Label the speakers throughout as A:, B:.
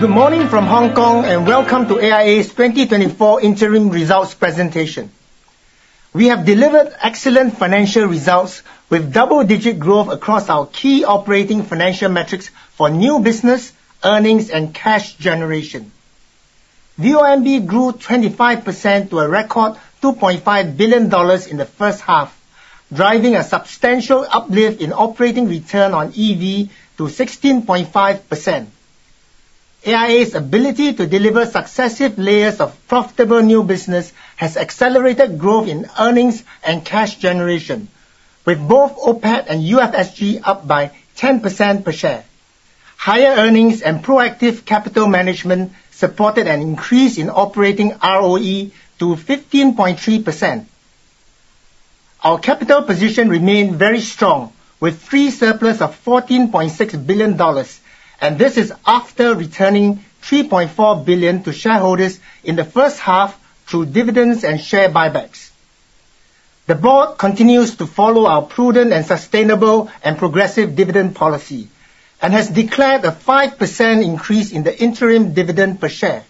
A: Good morning from Hong Kong, and welcome to AIA's 2024 interim results presentation. We have delivered excellent financial results with double-digit growth across our key operating financial metrics for new business, earnings, and cash generation. VONB grew 25% to a record $2.5 billion in the first half, driving a substantial uplift in operating return on EV to 16.5%. AIA's ability to deliver successive layers of profitable new business has accelerated growth in earnings and cash generation, with both OPAT and UFSG up by 10% per share. Higher earnings and proactive capital management supported an increase in operating ROE to 15.3%. Our capital position remained very strong, with free surplus of $14.6 billion, and this is after returning $3.4 billion to shareholders in the first half through dividends and share buybacks. The board continues to follow our prudent and sustainable and progressive dividend policy and has declared a 5% increase in the interim dividend per share.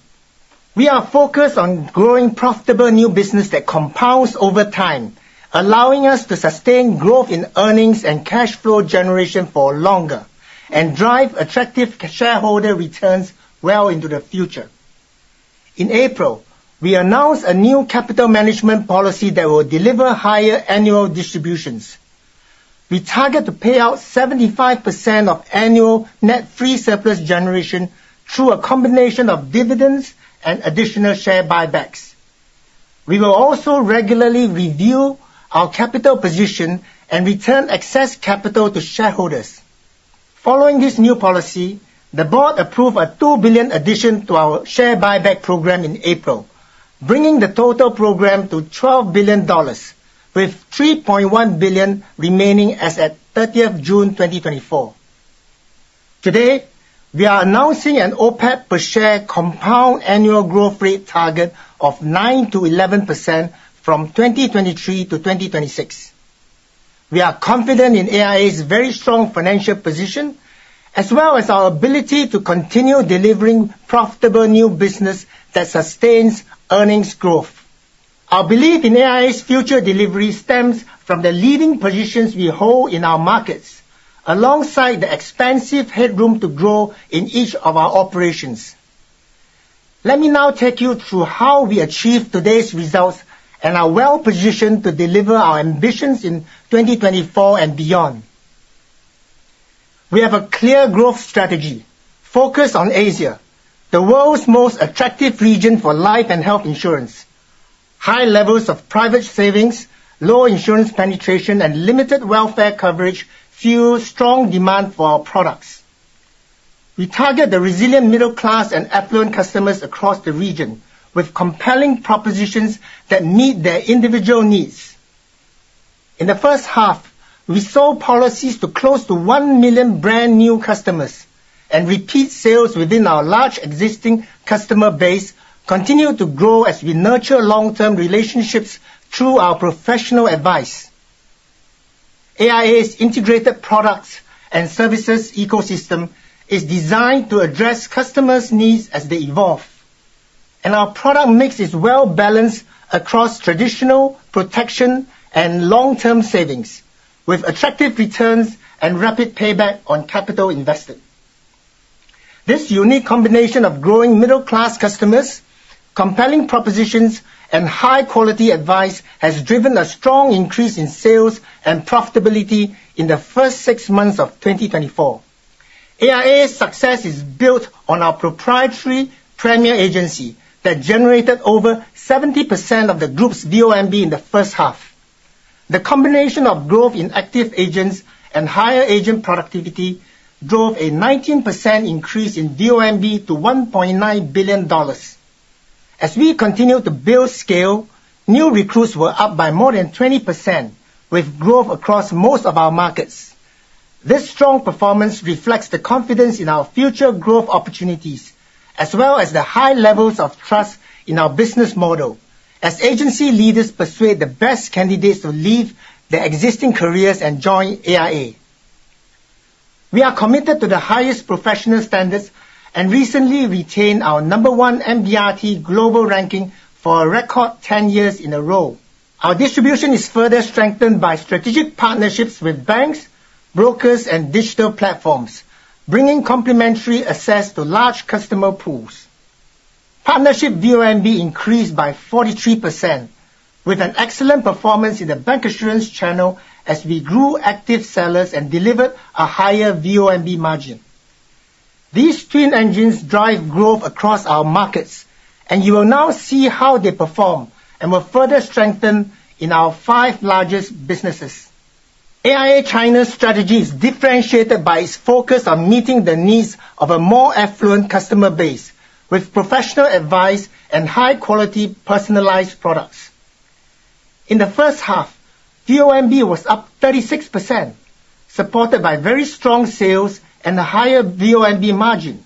A: We are focused on growing profitable new business that compounds over time, allowing us to sustain growth in earnings and cash flow generation for longer and drive attractive shareholder returns well into the future. In April, we announced a new capital management policy that will deliver higher annual distributions. We target to pay out 75% of annual net free surplus generation through a combination of dividends and additional share buybacks. We will also regularly review our capital position and return excess capital to shareholders. Following this new policy, the board approved a $2 billion addition to our share buyback program in April, bringing the total program to $12 billion, with $3.1 billion remaining as at 30th June 2024. Today, we are announcing an OPAT per share compound annual growth rate target of 9%-11% from 2023 to 2026. We are confident in AIA's very strong financial position, as well as our ability to continue delivering profitable new business that sustains earnings growth. Our belief in AIA's future delivery stems from the leading positions we hold in our markets, alongside the expansive headroom to grow in each of our operations. Let me now take you through how we achieved today's results and are well positioned to deliver our ambitions in twenty twenty-four and beyond. We have a clear growth strategy focused on Asia, the world's most attractive region for life and health insurance. High levels of private savings, low insurance penetration, and limited welfare coverage fuel strong demand for our products. We target the resilient middle class and affluent customers across the region with compelling propositions that meet their individual needs. In the first half, we sold policies to close to one million brand-new customers, and repeat sales within our large existing customer base continue to grow as we nurture long-term relationships through our professional advice. AIA's integrated products and services ecosystem is designed to address customers' needs as they evolve, and our product mix is well balanced across traditional, protection, and long-term savings, with attractive returns and rapid payback on capital invested. This unique combination of growing middle-class customers, compelling propositions, and high-quality advice has driven a strong increase in sales and profitability in the first six months of twenty twenty-four. AIA's success is built on our proprietary Premier Agency that generated over 70% of the group's VONB in the first half. The combination of growth in active agents and higher agent productivity drove a 19% increase in VONB to $1.9 billion. As we continue to build scale, new recruits were up by more than 20%, with growth across most of our markets. This strong performance reflects the confidence in our future growth opportunities, as well as the high levels of trust in our business model as agency leaders persuade the best candidates to leave their existing careers and join AIA. We are committed to the highest professional standards and recently retained our number one MDRT global ranking for a record 10 years in a row. Our distribution is further strengthened by strategic partnerships with banks, brokers, and digital platforms, bringing complementary access to large customer pools. Partnership VONB increased by 43%, with an excellent performance in the bancassurance channel as we grew active sellers and delivered a higher VONB margin. These twin engines drive growth across our markets, and you will now see how they perform and will further strengthen in our five largest businesses. AIA China's strategy is differentiated by its focus on meeting the needs of a more affluent customer base, with professional advice and high-quality personalized products. In the first half, VONB was up 36%, supported by very strong sales and a higher VONB margin.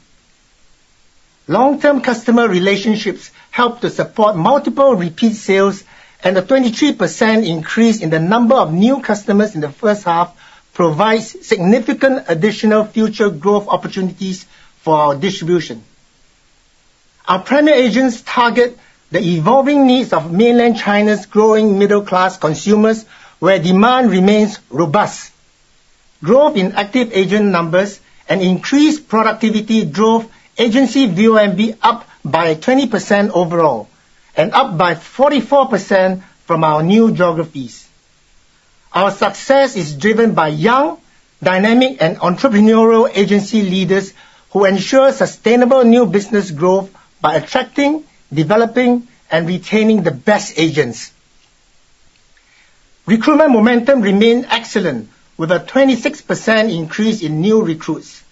A: Long-term customer relationships helped to support multiple repeat sales, and a 23% increase in the number of new customers in the first half provides significant additional future growth opportunities for our distribution. Our premier agents target the evolving needs of Mainland China's growing middle-class consumers, where demand remains robust. Growth in active agent numbers and increased productivity drove agency VONB up by 20% overall and up by 44% from our new geographies. Our success is driven by young, dynamic, and entrepreneurial agency leaders, who ensure sustainable new business growth by attracting, developing, and retaining the best agents. Recruitment momentum remained excellent, with a 26% increase in new recruits.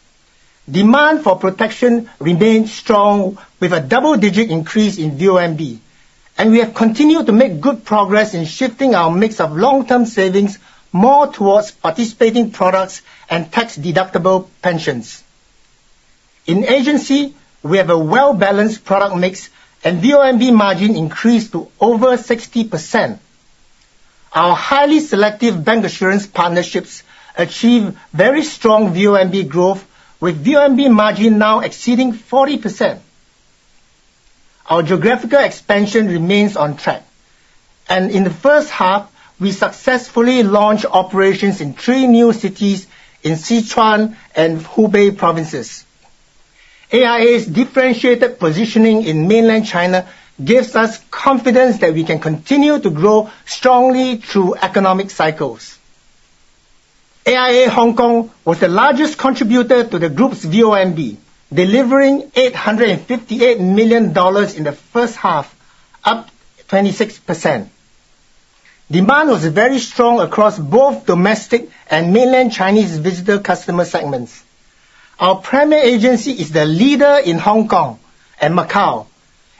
A: Demand for protection remains strong, with a double-digit increase in VONB, and we have continued to make good progress in shifting our mix of long-term savings more towards participating products and tax-deductible pensions. In agency, we have a well-balanced product mix and VONB margin increased to over 60%. Our highly selective bancassurance partnerships achieve very strong VONB growth, with VONB margin now exceeding 40%. Our geographical expansion remains on track, and in the first half, we successfully launched operations in three new cities in Sichuan and Hubei provinces. AIA's differentiated positioning in Mainland China gives us confidence that we can continue to grow strongly through economic cycles. AIA Hong Kong was the largest contributor to the Group's VONB, delivering $858 million in the first half, up 26%. Demand was very strong across both domestic and mainland Chinese visitor customer segments. Our Premier Agency is the leader in Hong Kong and Macau,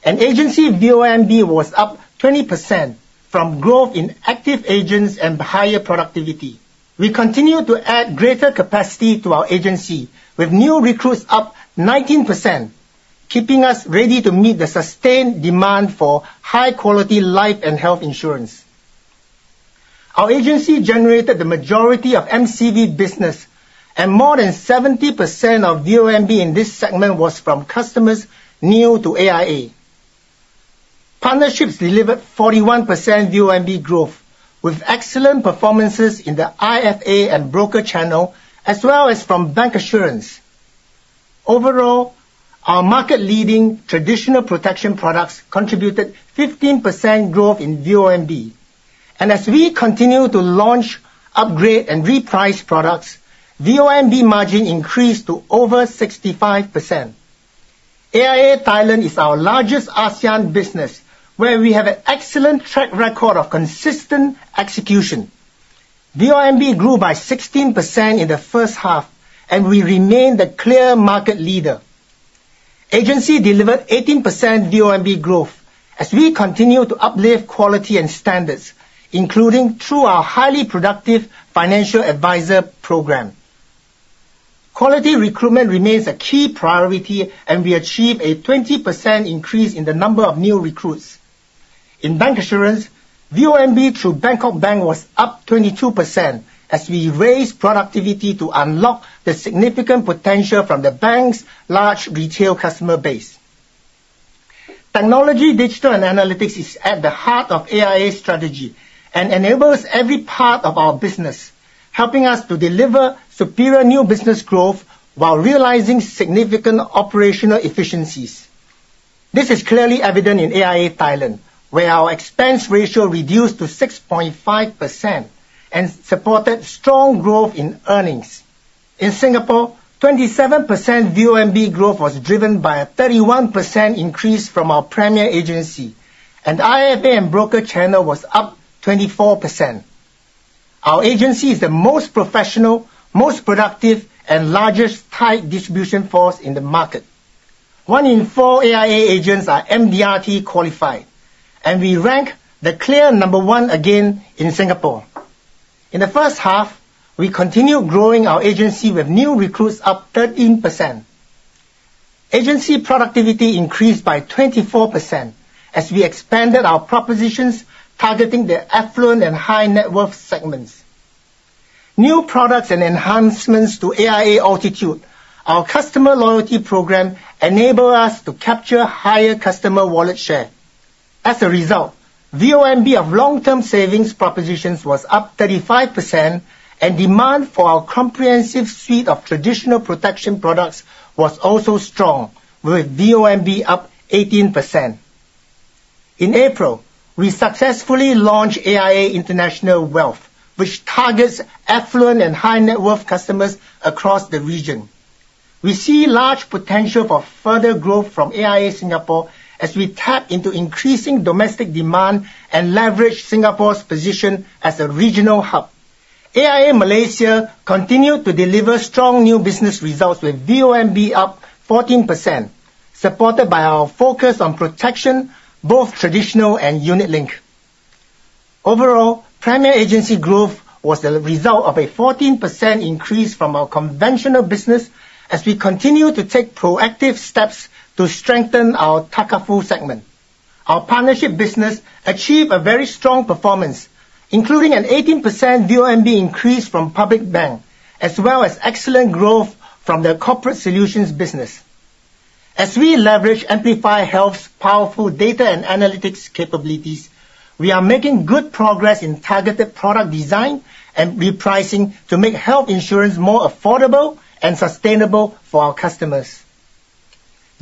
A: and agency VONB was up 20% from growth in active agents and higher productivity. We continue to add greater capacity to our agency, with new recruits up 19%, keeping us ready to meet the sustained demand for high-quality life and health insurance. Our agency generated the majority of MCV business, and more than 70% of VONB in this segment was from customers new to AIA. Partnerships delivered 41% VONB growth, with excellent performances in the IFA and broker channel, as well as from bancassurance. Overall, our market-leading traditional protection products contributed 15% growth in VONB, and as we continue to launch, upgrade, and reprice products, VONB margin increased to over 65%. AIA Thailand is our largest ASEAN business, where we have an excellent track record of consistent execution. VONB grew by 16% in the first half, and we remain the clear market leader. Agency delivered 18% VONB growth as we continue to uplift quality and standards, including through our highly productive financial advisor program. Quality recruitment remains a key priority, and we achieved a 20% increase in the number of new recruits. In bancassurance, VONB through Bangkok Bank was up 22%, as we raised productivity to unlock the significant potential from the bank's large retail customer base. Technology, digital, and analytics is at the heart of AIA's strategy and enables every part of our business, helping us to deliver superior new business growth while realizing significant operational efficiencies. This is clearly evident in AIA Thailand, where our expense ratio reduced to 6.5% and supported strong growth in earnings. In Singapore, 27% VONB growth was driven by a 31% increase from our Premier Agency, and IFA and broker channel was up 24%. Our agency is the most professional, most productive, and largest Thai distribution force in the market. One in four AIA agents are MDRT qualified, and we rank the clear number one again in Singapore. In the first half, we continued growing our agency, with new recruits up 13%. Agency productivity increased by 24% as we expanded our propositions targeting the affluent and high-net-worth segments. New products and enhancements to AIA Altitude, our customer loyalty program, enable us to capture higher customer wallet share. As a result, VONB of long-term savings propositions was up 35%, and demand for our comprehensive suite of traditional protection products was also strong, with VONB up 18%. In April, we successfully launched AIA International Wealth, which targets affluent and high-net-worth customers across the region. We see large potential for further growth from AIA Singapore as we tap into increasing domestic demand and leverage Singapore's position as a regional hub. AIA Malaysia continued to deliver strong new business results, with VONB up 14%, supported by our focus on protection, both traditional and unit-linked. Overall, Premier Agency growth was the result of a 14% increase from our conventional business as we continue to take proactive steps to strengthen our Takaful segment. Our partnership business achieved a very strong performance, including an 18% VONB increase from Public Bank, as well as excellent growth from the corporate solutions business. As we leverage Amplify Health's powerful data and analytics capabilities, we are making good progress in targeted product design and repricing to make health insurance more affordable and sustainable for our customers.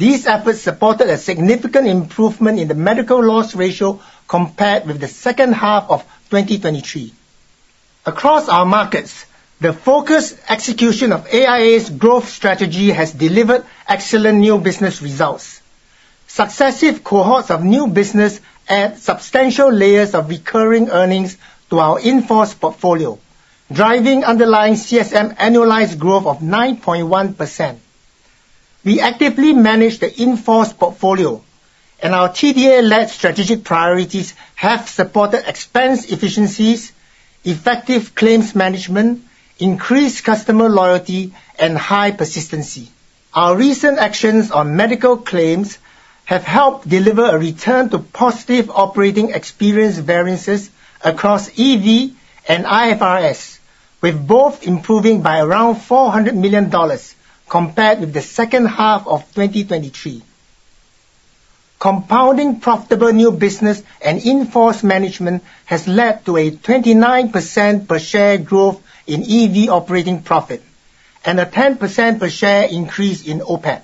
A: These efforts supported a significant improvement in the medical loss ratio compared with the second half of 2023. Across our markets, the focused execution of AIA's growth strategy has delivered excellent new business results. Successive cohorts of new business add substantial layers of recurring earnings to our in-force portfolio, driving underlying CSM annualized growth of 9.1%. We actively manage the in-force portfolio, and our TDA-led strategic priorities have supported expense efficiencies, effective claims management, increased customer loyalty, and high persistency. Our recent actions on medical claims have helped deliver a return to positive operating experience variances across EV and IFRS, with both improving by around $400 million compared with the second half of 2023. Compounding profitable new business and in-force management has led to a 29% per share growth in EV operating profit and a 10% per share increase in OPAT.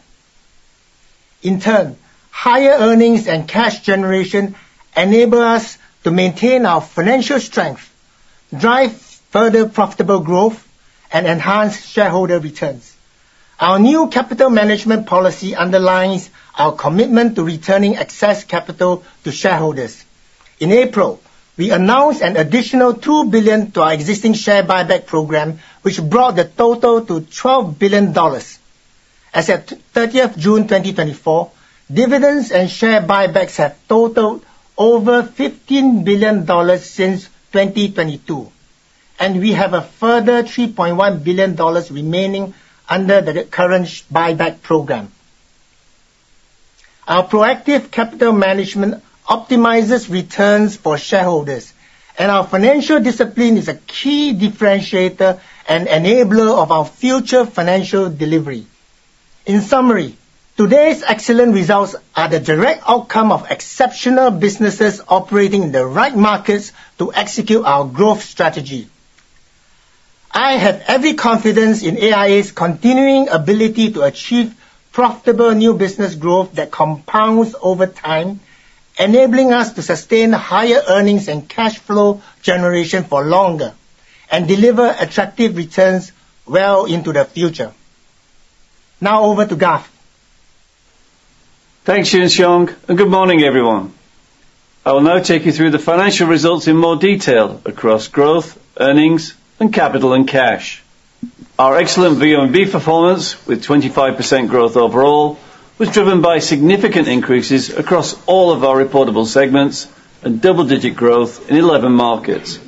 A: In turn, higher earnings and cash generation enable us to maintain our financial strength, drive further profitable growth, and enhance shareholder returns. Our new capital management policy underlines our commitment to returning excess capital to shareholders. In April, we announced an additional $2 billion to our existing share buyback program, which brought the total to $12 billion. As at thirtieth June 2024, dividends and share buybacks have totaled over $15 billion since 2022, and we have a further $3.1 billion remaining under the current buyback program. Our proactive capital management optimizes returns for shareholders, and our financial discipline is a key differentiator and enabler of our future financial delivery. In summary, today's excellent results are the direct outcome of exceptional businesses operating in the right markets to execute our growth strategy. I have every confidence in AIA's continuing ability to achieve profitable new business growth that compounds over time, enabling us to sustain higher earnings and cash flow generation for longer and deliver attractive returns well into the future. Now over to Garth.
B: Thanks, Yuan Siong, and good morning, everyone. I will now take you through the financial results in more detail across growth, earnings, and capital and cash. Our excellent VONB performance, with 25% growth overall, was driven by significant increases across all of our reportable segments and double-digit growth in 11 markets.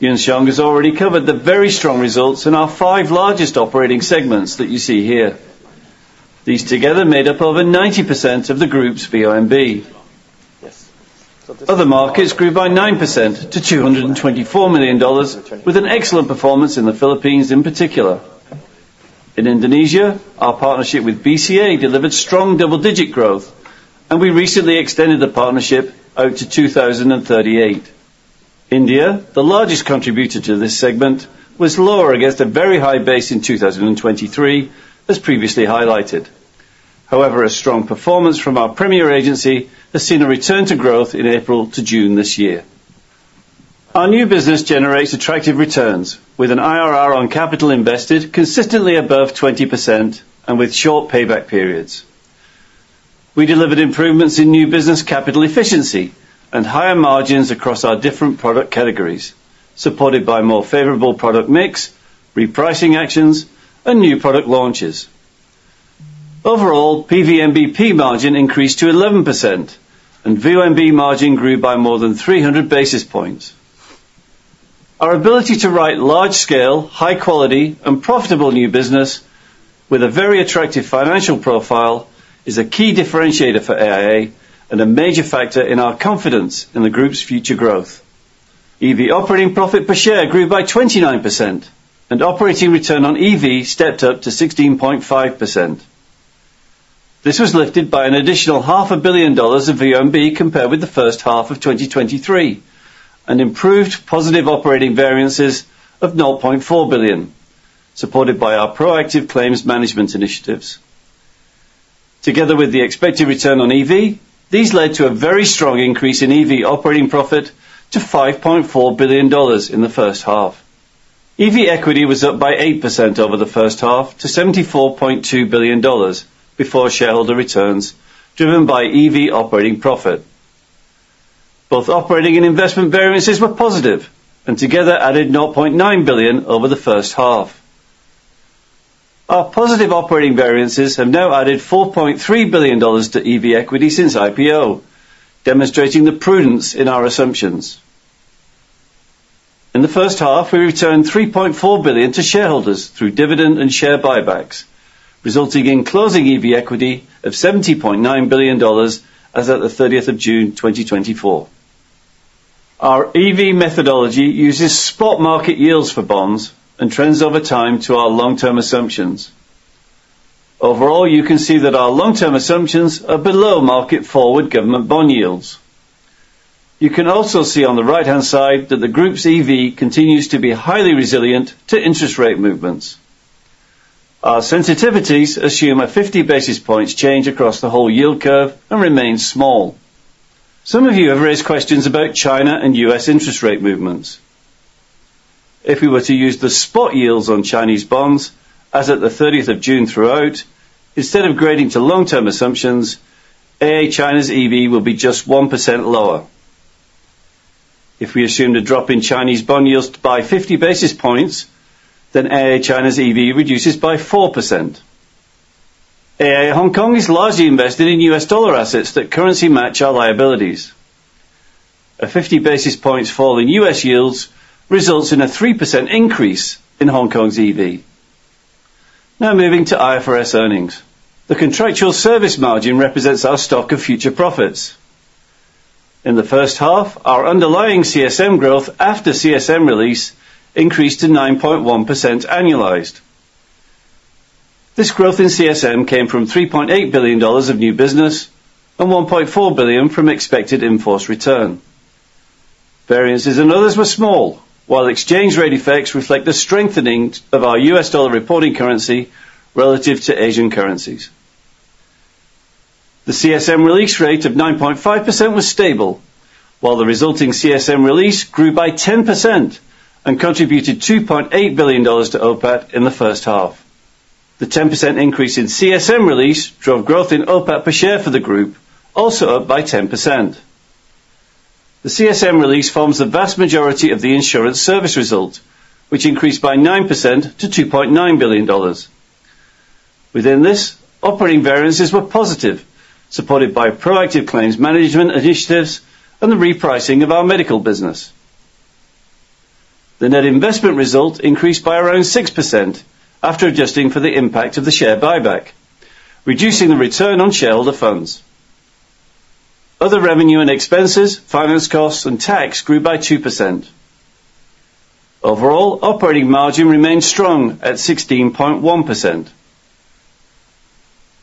B: Yuan Siong has already covered the very strong results in our five largest operating segments that you see here. These together made up over 90% of the Group's VONB. Other markets grew by 9% to $224 million, with an excellent performance in the Philippines in particular. In Indonesia, our partnership with BCA delivered strong double-digit growth, and we recently extended the partnership out to 2038. India, the largest contributor to this segment, was lower against a very high base in 2023, as previously highlighted. However, a strong performance from our Premier Agency has seen a return to growth in April to June this year. Our new business generates attractive returns, with an IRR on capital invested consistently above 20% and with short payback periods. We delivered improvements in new business capital efficiency and higher margins across our different product categories, supported by more favorable product mix, repricing actions, and new product launches. Overall, PVMBP margin increased to 11%, and VONB margin grew by more than three hundred basis points. Our ability to write large-scale, high quality, and profitable new business with a very attractive financial profile is a key differentiator for AIA and a major factor in our confidence in the group's future growth. EV operating profit per share grew by 29%, and operating return on EV stepped up to 16.5%. This was lifted by an additional $0.5 billion of VONB compared with the first half of 2023, and improved positive operating variances of $0.4 billion, supported by our proactive claims management initiatives. Together with the expected return on EV, these led to a very strong increase in EV operating profit to $5.4 billion in the first half. EV equity was up by 8% over the first half to $74.2 billion before shareholder returns, driven by EV operating profit. Both operating and investment variances were positive and together added $0.9 billion over the first half. Our positive operating variances have now added $4.3 billion to EV equity since IPO, demonstrating the prudence in our assumptions. In the first half, we returned $3.4 billion to shareholders through dividend and share buybacks, resulting in closing EV equity of $70.9 billion as of the 30th of June, 2024. Our EV methodology uses spot market yields for bonds and trends over time to our long-term assumptions. Overall, you can see that our long-term assumptions are below market forward government bond yields. You can also see on the right-hand side that the Group's EV continues to be highly resilient to interest rate movements. Our sensitivities assume a 50 basis points change across the whole yield curve and remain small. Some of you have raised questions about China and U.S. interest rate movements. If we were to use the spot yields on Chinese bonds as of the thirtieth of June throughout, instead of graduating to long-term assumptions, AIA China's EV will be just 1% lower. If we assume the drop in Chinese bond yields by 50 basis points, then AIA China's EV reduces by 4%. AIA Hong Kong is largely invested in US dollar assets that currency match our liabilities. A 50 basis points fall in US yields results in a 3% increase in Hong Kong's EV. Now moving to IFRS earnings. The contractual service margin represents our stock of future profits. In the first half, our underlying CSM growth after CSM release increased to 9.1% annualized. This growth in CSM came from $3.8 billion of new business and $1.4 billion from expected in-force return. Variances and others were small, while exchange rate effects reflect the strengthening of our US dollar reporting currency relative to Asian currencies. The CSM release rate of 9.5% was stable, while the resulting CSM release grew by 10% and contributed $2.8 billion to OPAT in the first half. The 10% increase in CSM release drove growth in OPAT per share for the group, also up by 10%. The CSM release forms the vast majority of the insurance service result, which increased by 9% to $2.9 billion. Within this, operating variances were positive, supported by proactive claims management initiatives and the repricing of our medical business. The net investment result increased by around 6% after adjusting for the impact of the share buyback, reducing the return on shareholder funds. Other revenue and expenses, finance costs, and tax grew by 2%. Overall, operating margin remained strong at 16.1%.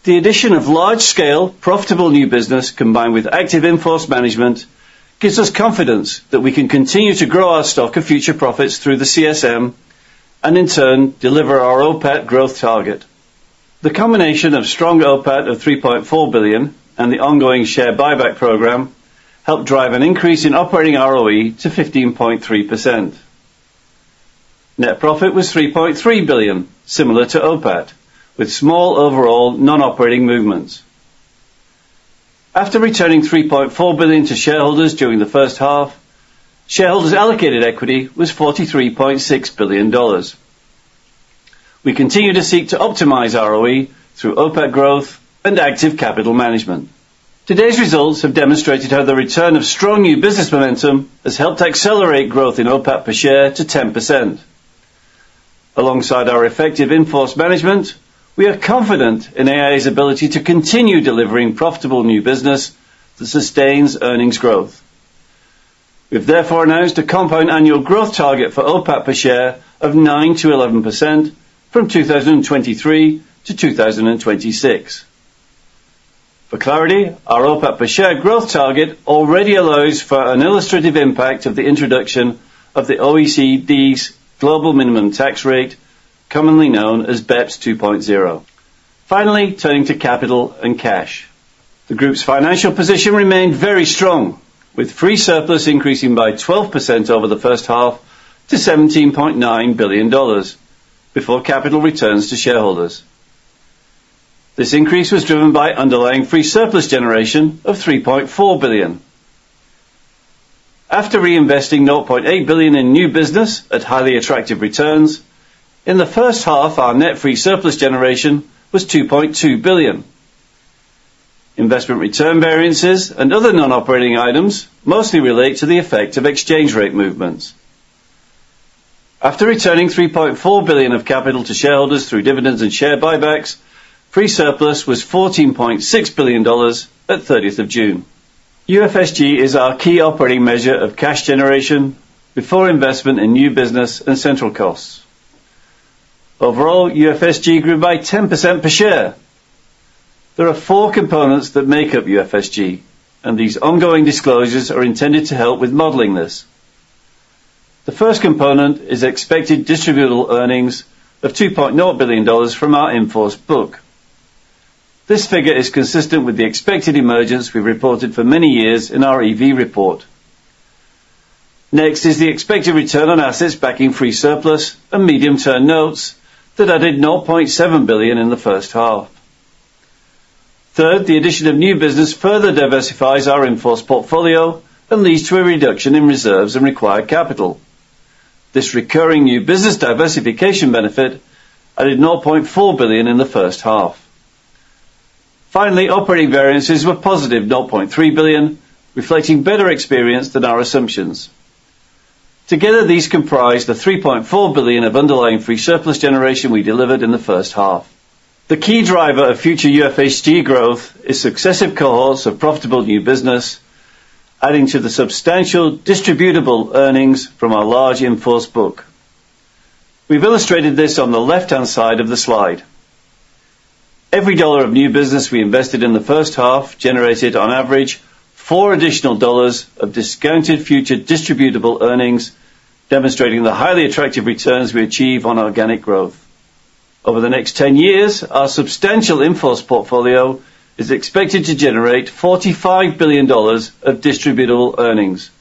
B: The addition of large-scale, profitable new business, combined with active in-force management, gives us confidence that we can continue to grow our stock of future profits through the CSM, and in turn, deliver our OPAT growth target. The combination of strong OPAT of $3.4 billion and the ongoing share buyback program helped drive an increase in operating ROE to 15.3%. Net profit was $3.3 billion, similar to OPAT, with small overall non-operating movements. After returning $3.4 billion to shareholders during the first half, shareholders' allocated equity was $43.6 billion. We continue to seek to optimize ROE through OPAT growth and active capital management. Today's results have demonstrated how the return of strong new business momentum has helped accelerate growth in OPAT per share to 10%. Alongside our effective in-force management, we are confident in AIA's ability to continue delivering profitable new business that sustains earnings growth. We have therefore announced a compound annual growth target for OPAT per share of 9%-11% from 2023 to 2026. For clarity, our OPAT per share growth target already allows for an illustrative impact of the introduction of the OECD's global minimum tax rate, commonly known as BEPS 2.0. Finally, turning to capital and cash. The group's financial position remained very strong, with free surplus increasing by 12% over the first half to $17.9 billion before capital returns to shareholders. This increase was driven by underlying free surplus generation of $3.4 billion. After reinvesting $0.8 billion in new business at highly attractive returns, in the first half, our net free surplus generation was $2.2 billion. Investment return variances and other non-operating items mostly relate to the effect of exchange rate movements. After returning $3.4 billion of capital to shareholders through dividends and share buybacks, free surplus was $14.6 billion at 30th of June. UFSG is our key operating measure of cash generation before investment in new business and central costs. Overall, UFSG grew by 10% per share. There are four components that make up UFSG, and these ongoing disclosures are intended to help with modeling this. The first component is expected distributable earnings of $2.0 billion from our in-force book. This figure is consistent with the expected emergence we reported for many years in our EV report. Next is the expected return on assets backing free surplus and medium-term notes that added $0.7 billion in the first half. Third, the addition of new business further diversifies our in-force portfolio and leads to a reduction in reserves and required capital. This recurring new business diversification benefit added $0.4 billion in the first half. Finally, operating variances were positive, $0.3 billion, reflecting better experience than our assumptions. Together, these comprise the $3.4 billion of underlying free surplus generation we delivered in the first half. The key driver of future UFSG growth is successive cohorts of profitable new business, adding to the substantial distributable earnings from our large in-force book. We've illustrated this on the left-hand side of the slide. Every dollar of new business we invested in the first half generated, on average, four additional dollars of discounted future distributable earnings, demonstrating the highly attractive returns we achieve on organic growth. Over the next ten years, our substantial in-force portfolio is expected to generate $45 billion of distributable earnings.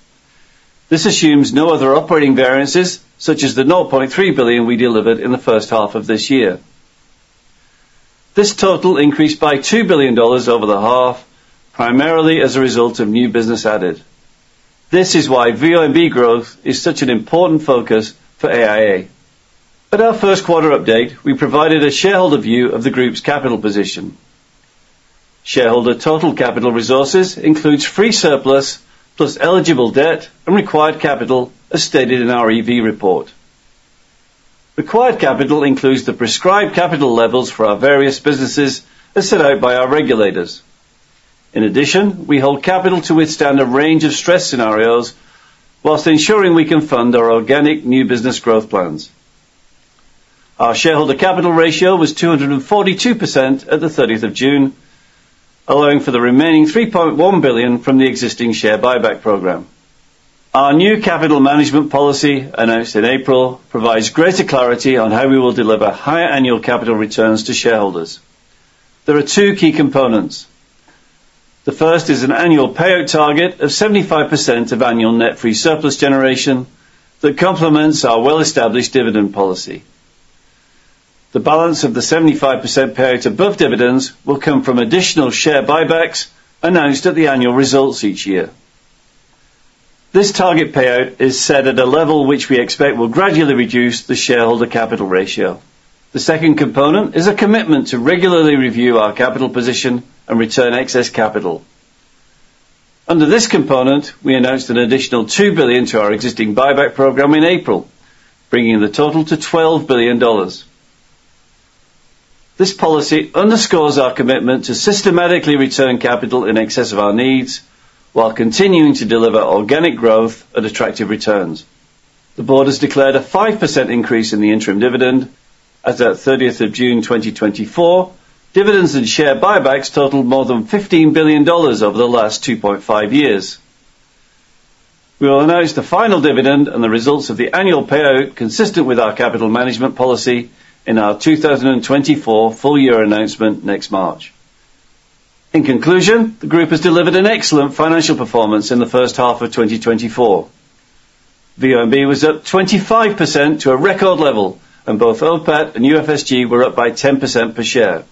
B: This assumes no other operating variances, such as the $0.3 billion we delivered in the first half of this year. This total increased by $2 billion over the half, primarily as a result of new business added. This is why VONB growth is such an important focus for AIA. At our first quarter update, we provided a shareholder view of the group's capital position. Shareholder total capital resources includes free surplus, plus eligible debt and required capital, as stated in our EV report. Required capital includes the prescribed capital levels for our various businesses, as set out by our regulators. In addition, we hold capital to withstand a range of stress scenarios, while ensuring we can fund our organic new business growth plans. Our shareholder capital ratio was 242% at the 30th of June, allowing for the remaining $3.1 billion from the existing share buyback program. Our new capital management policy, announced in April, provides greater clarity on how we will deliver higher annual capital returns to shareholders. There are two key components. The first is an annual payout target of 75% of annual net free surplus generation that complements our well-established dividend policy. The balance of the 75% payout above dividends will come from additional share buybacks announced at the annual results each year. This target payout is set at a level which we expect will gradually reduce the shareholder capital ratio. The second component is a commitment to regularly review our capital position and return excess capital. Under this component, we announced an additional $2 billion to our existing buyback program in April, bringing the total to $12 billion. This policy underscores our commitment to systematically return capital in excess of our needs, while continuing to deliver organic growth at attractive returns. The board has declared a 5% increase in the interim dividend as at 30th of June, 2024. Dividends and share buybacks totaled more than $15 billion over the last 2.5 years. We will announce the final dividend and the results of the annual payout consistent with our capital management policy in our 2024 full year announcement next March. In conclusion, the group has delivered an excellent financial performance in the first half of 2024. VONB was up 25% to a record level, and both OPAT and UFSG were up by 10% per share.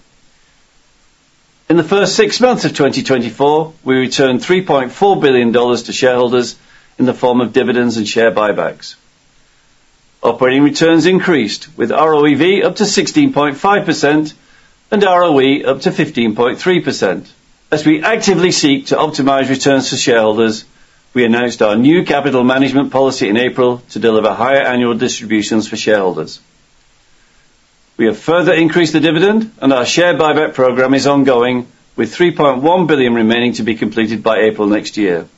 B: In the first six months of 2024, we returned $3.4 billion to shareholders in the form of dividends and share buybacks. Operating returns increased, with ROEV up to 16.5% and ROE up to 15.3%. As we actively seek to optimize returns to shareholders, we announced our new capital management policy in April to deliver higher annual distributions for shareholders. We have further increased the dividend, and our share buyback program is ongoing, with $3.1 billion remaining to be completed by April next year,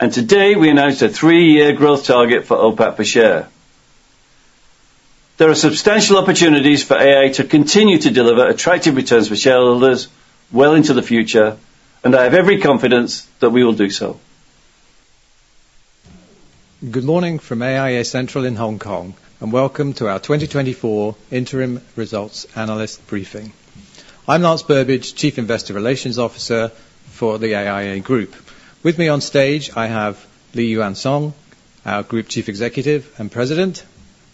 B: and today, we announced a three-year growth target for OPAT per share. There are substantial opportunities for AIA to continue to deliver attractive returns for shareholders well into the future, and I have every confidence that we will do so.
C: Good morning from AIA Central in Hong Kong, and welcome to our 2024 interim results analyst briefing. I'm Lance Burbidge, Chief Investor Relations Officer for the AIA Group. With me on stage, I have Lee Yuan Siong, our Group Chief Executive and President,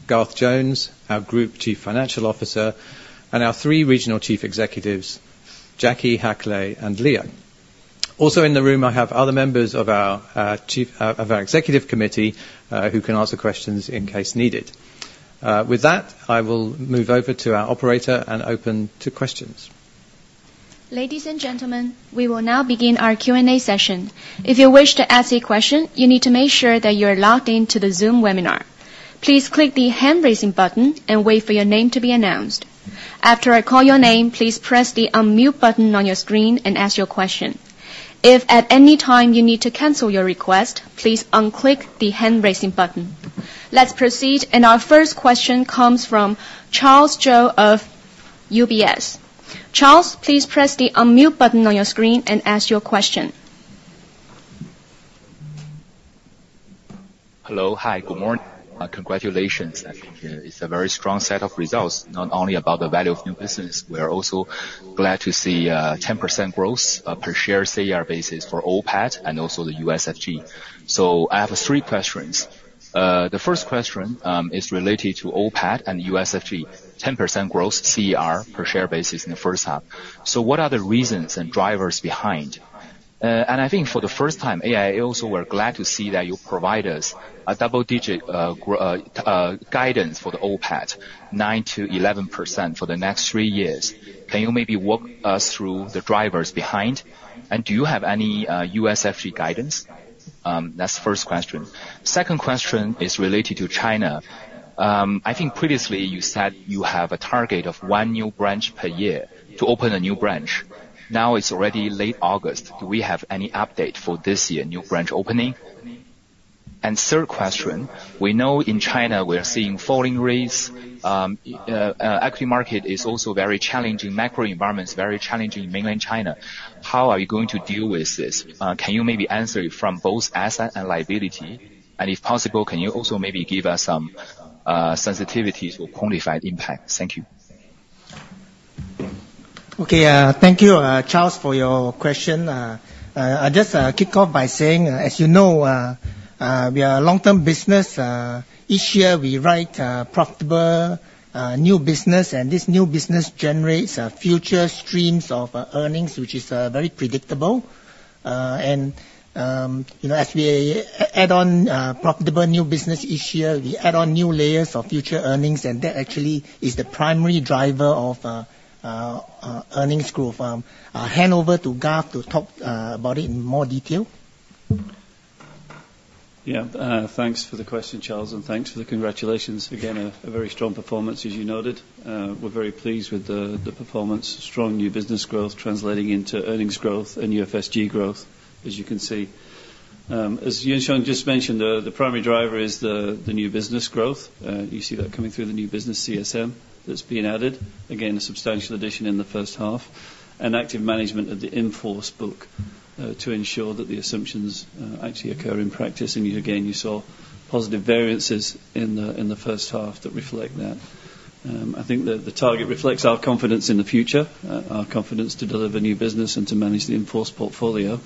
C: Garth Jones, our Group Chief Financial Officer, and our three Regional Chief Executives, Jacky, Hak Leh, and Leo. Also in the room, I have other members of our executive committee who can answer questions in case needed. With that, I will move over to our operator and open to questions.
D: Ladies and gentlemen, we will now begin our Q&A session. If you wish to ask a question, you need to make sure that you're logged in to the Zoom webinar. Please click the hand-raising button and wait for your name to be announced. After I call your name, please press the unmute button on your screen and ask your question. If at any time you need to cancel your request, please unclick the hand-raising button. Let's proceed, and our first question comes from Charles Zhou of UBS. Charles, please press the unmute button on your screen and ask your question.
E: Hello. Hi, good morning. Congratulations. I think it's a very strong set of results, not only about the value of new business, we are also glad to see 10% growth per share CER basis for OPAT and also the UFSG. So I have three questions. The first question is related to OPAT and UFSG. 10% growth CER per share basis in the first half. So what are the reasons and drivers behind? ... and I think for the first time, AIA, also we're glad to see that you provide us a double digit guidance for the OPAT, 9%-11% for the next three years. Can you maybe walk us through the drivers behind? And do you have any UFSG guidance? That's first question. Second question is related to China. I think previously you said you have a target of one new branch per year to open a new branch. Now, it's already late August, do we have any update for this year new branch opening? And third question, we know in China we are seeing falling rates, equity market is also very challenging, macro environment is very challenging in Mainland China, how are you going to deal with this? Can you maybe answer it from both asset and liability? And if possible, can you also maybe give us some sensitivities or quantified impact? Thank you.
A: Okay, thank you, Charles, for your question. I'll just kick off by saying, as you know, we are a long-term business. Each year we write profitable new business, and this new business generates future streams of earnings, which is very predictable, and you know, as we add on profitable new business each year, we add on new layers of future earnings, and that actually is the primary driver of earnings growth. I'll hand over to Garth to talk about it in more detail.
B: Yeah. Thanks for the question, Charles, and thanks for the congratulations. Again, a very strong performance, as you noted. We're very pleased with the performance. Strong new business growth, translating into earnings growth and UFSG growth, as you can see. As Yuan Siong just mentioned, the primary driver is the new business growth. You see that coming through the new business CSM that's being added. Again, a substantial addition in the first half, and active management of the in-force book to ensure that the assumptions actually occur in practice. Again, you saw positive variances in the first half that reflect that. I think that the target reflects our confidence in the future, our confidence to deliver new business and to manage the in-force portfolio.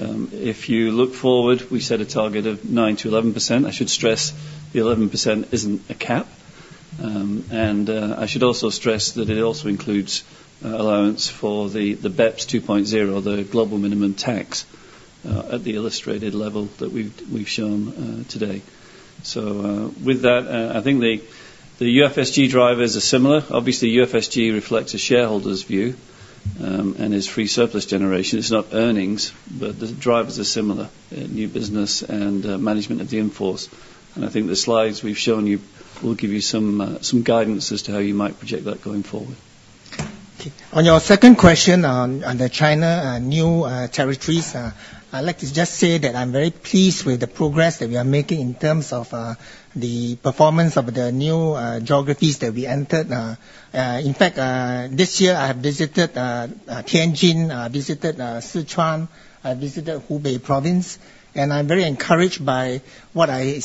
B: If you look forward, we set a target of 9%-11%. I should stress the 11% isn't a cap. And I should also stress that it also includes allowance for the BEPS 2.0, the global minimum tax, at the illustrated level that we've shown today. So with that, I think the UFSG drivers are similar. Obviously, UFSG reflects a shareholder's view, and is free surplus generation, it's not earnings, but the drivers are similar, new business and management of the in-force. And I think the slides we've shown you will give you some guidance as to how you might project that going forward.
A: On your second question on the China and new territories, I'd like to just say that I'm very pleased with the progress that we are making in terms of the performance of the new geographies that we entered. In fact, this year, I have visited Tianjin, I visited Sichuan, I visited Hubei province, and I'm very encouraged by what I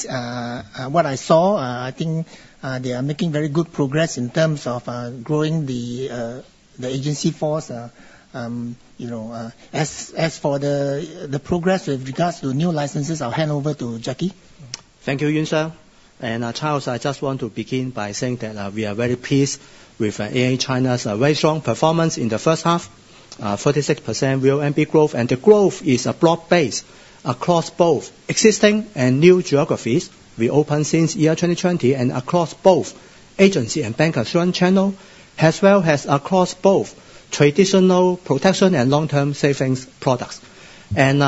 A: saw. I think they are making very good progress in terms of growing the agency force. You know, as for the progress with regards to new licenses, I'll hand over to Jacky.
F: Thank you, Yuan Siong. And Charles, I just want to begin by saying that we are very pleased with AIA China's very strong performance in the first half. Forty-six percent real VNB growth, and the growth is a broad base across both existing and new geographies we opened since year 2020, and across both agency and bancassurance channel, as well as across both traditional protection and long-term savings products. And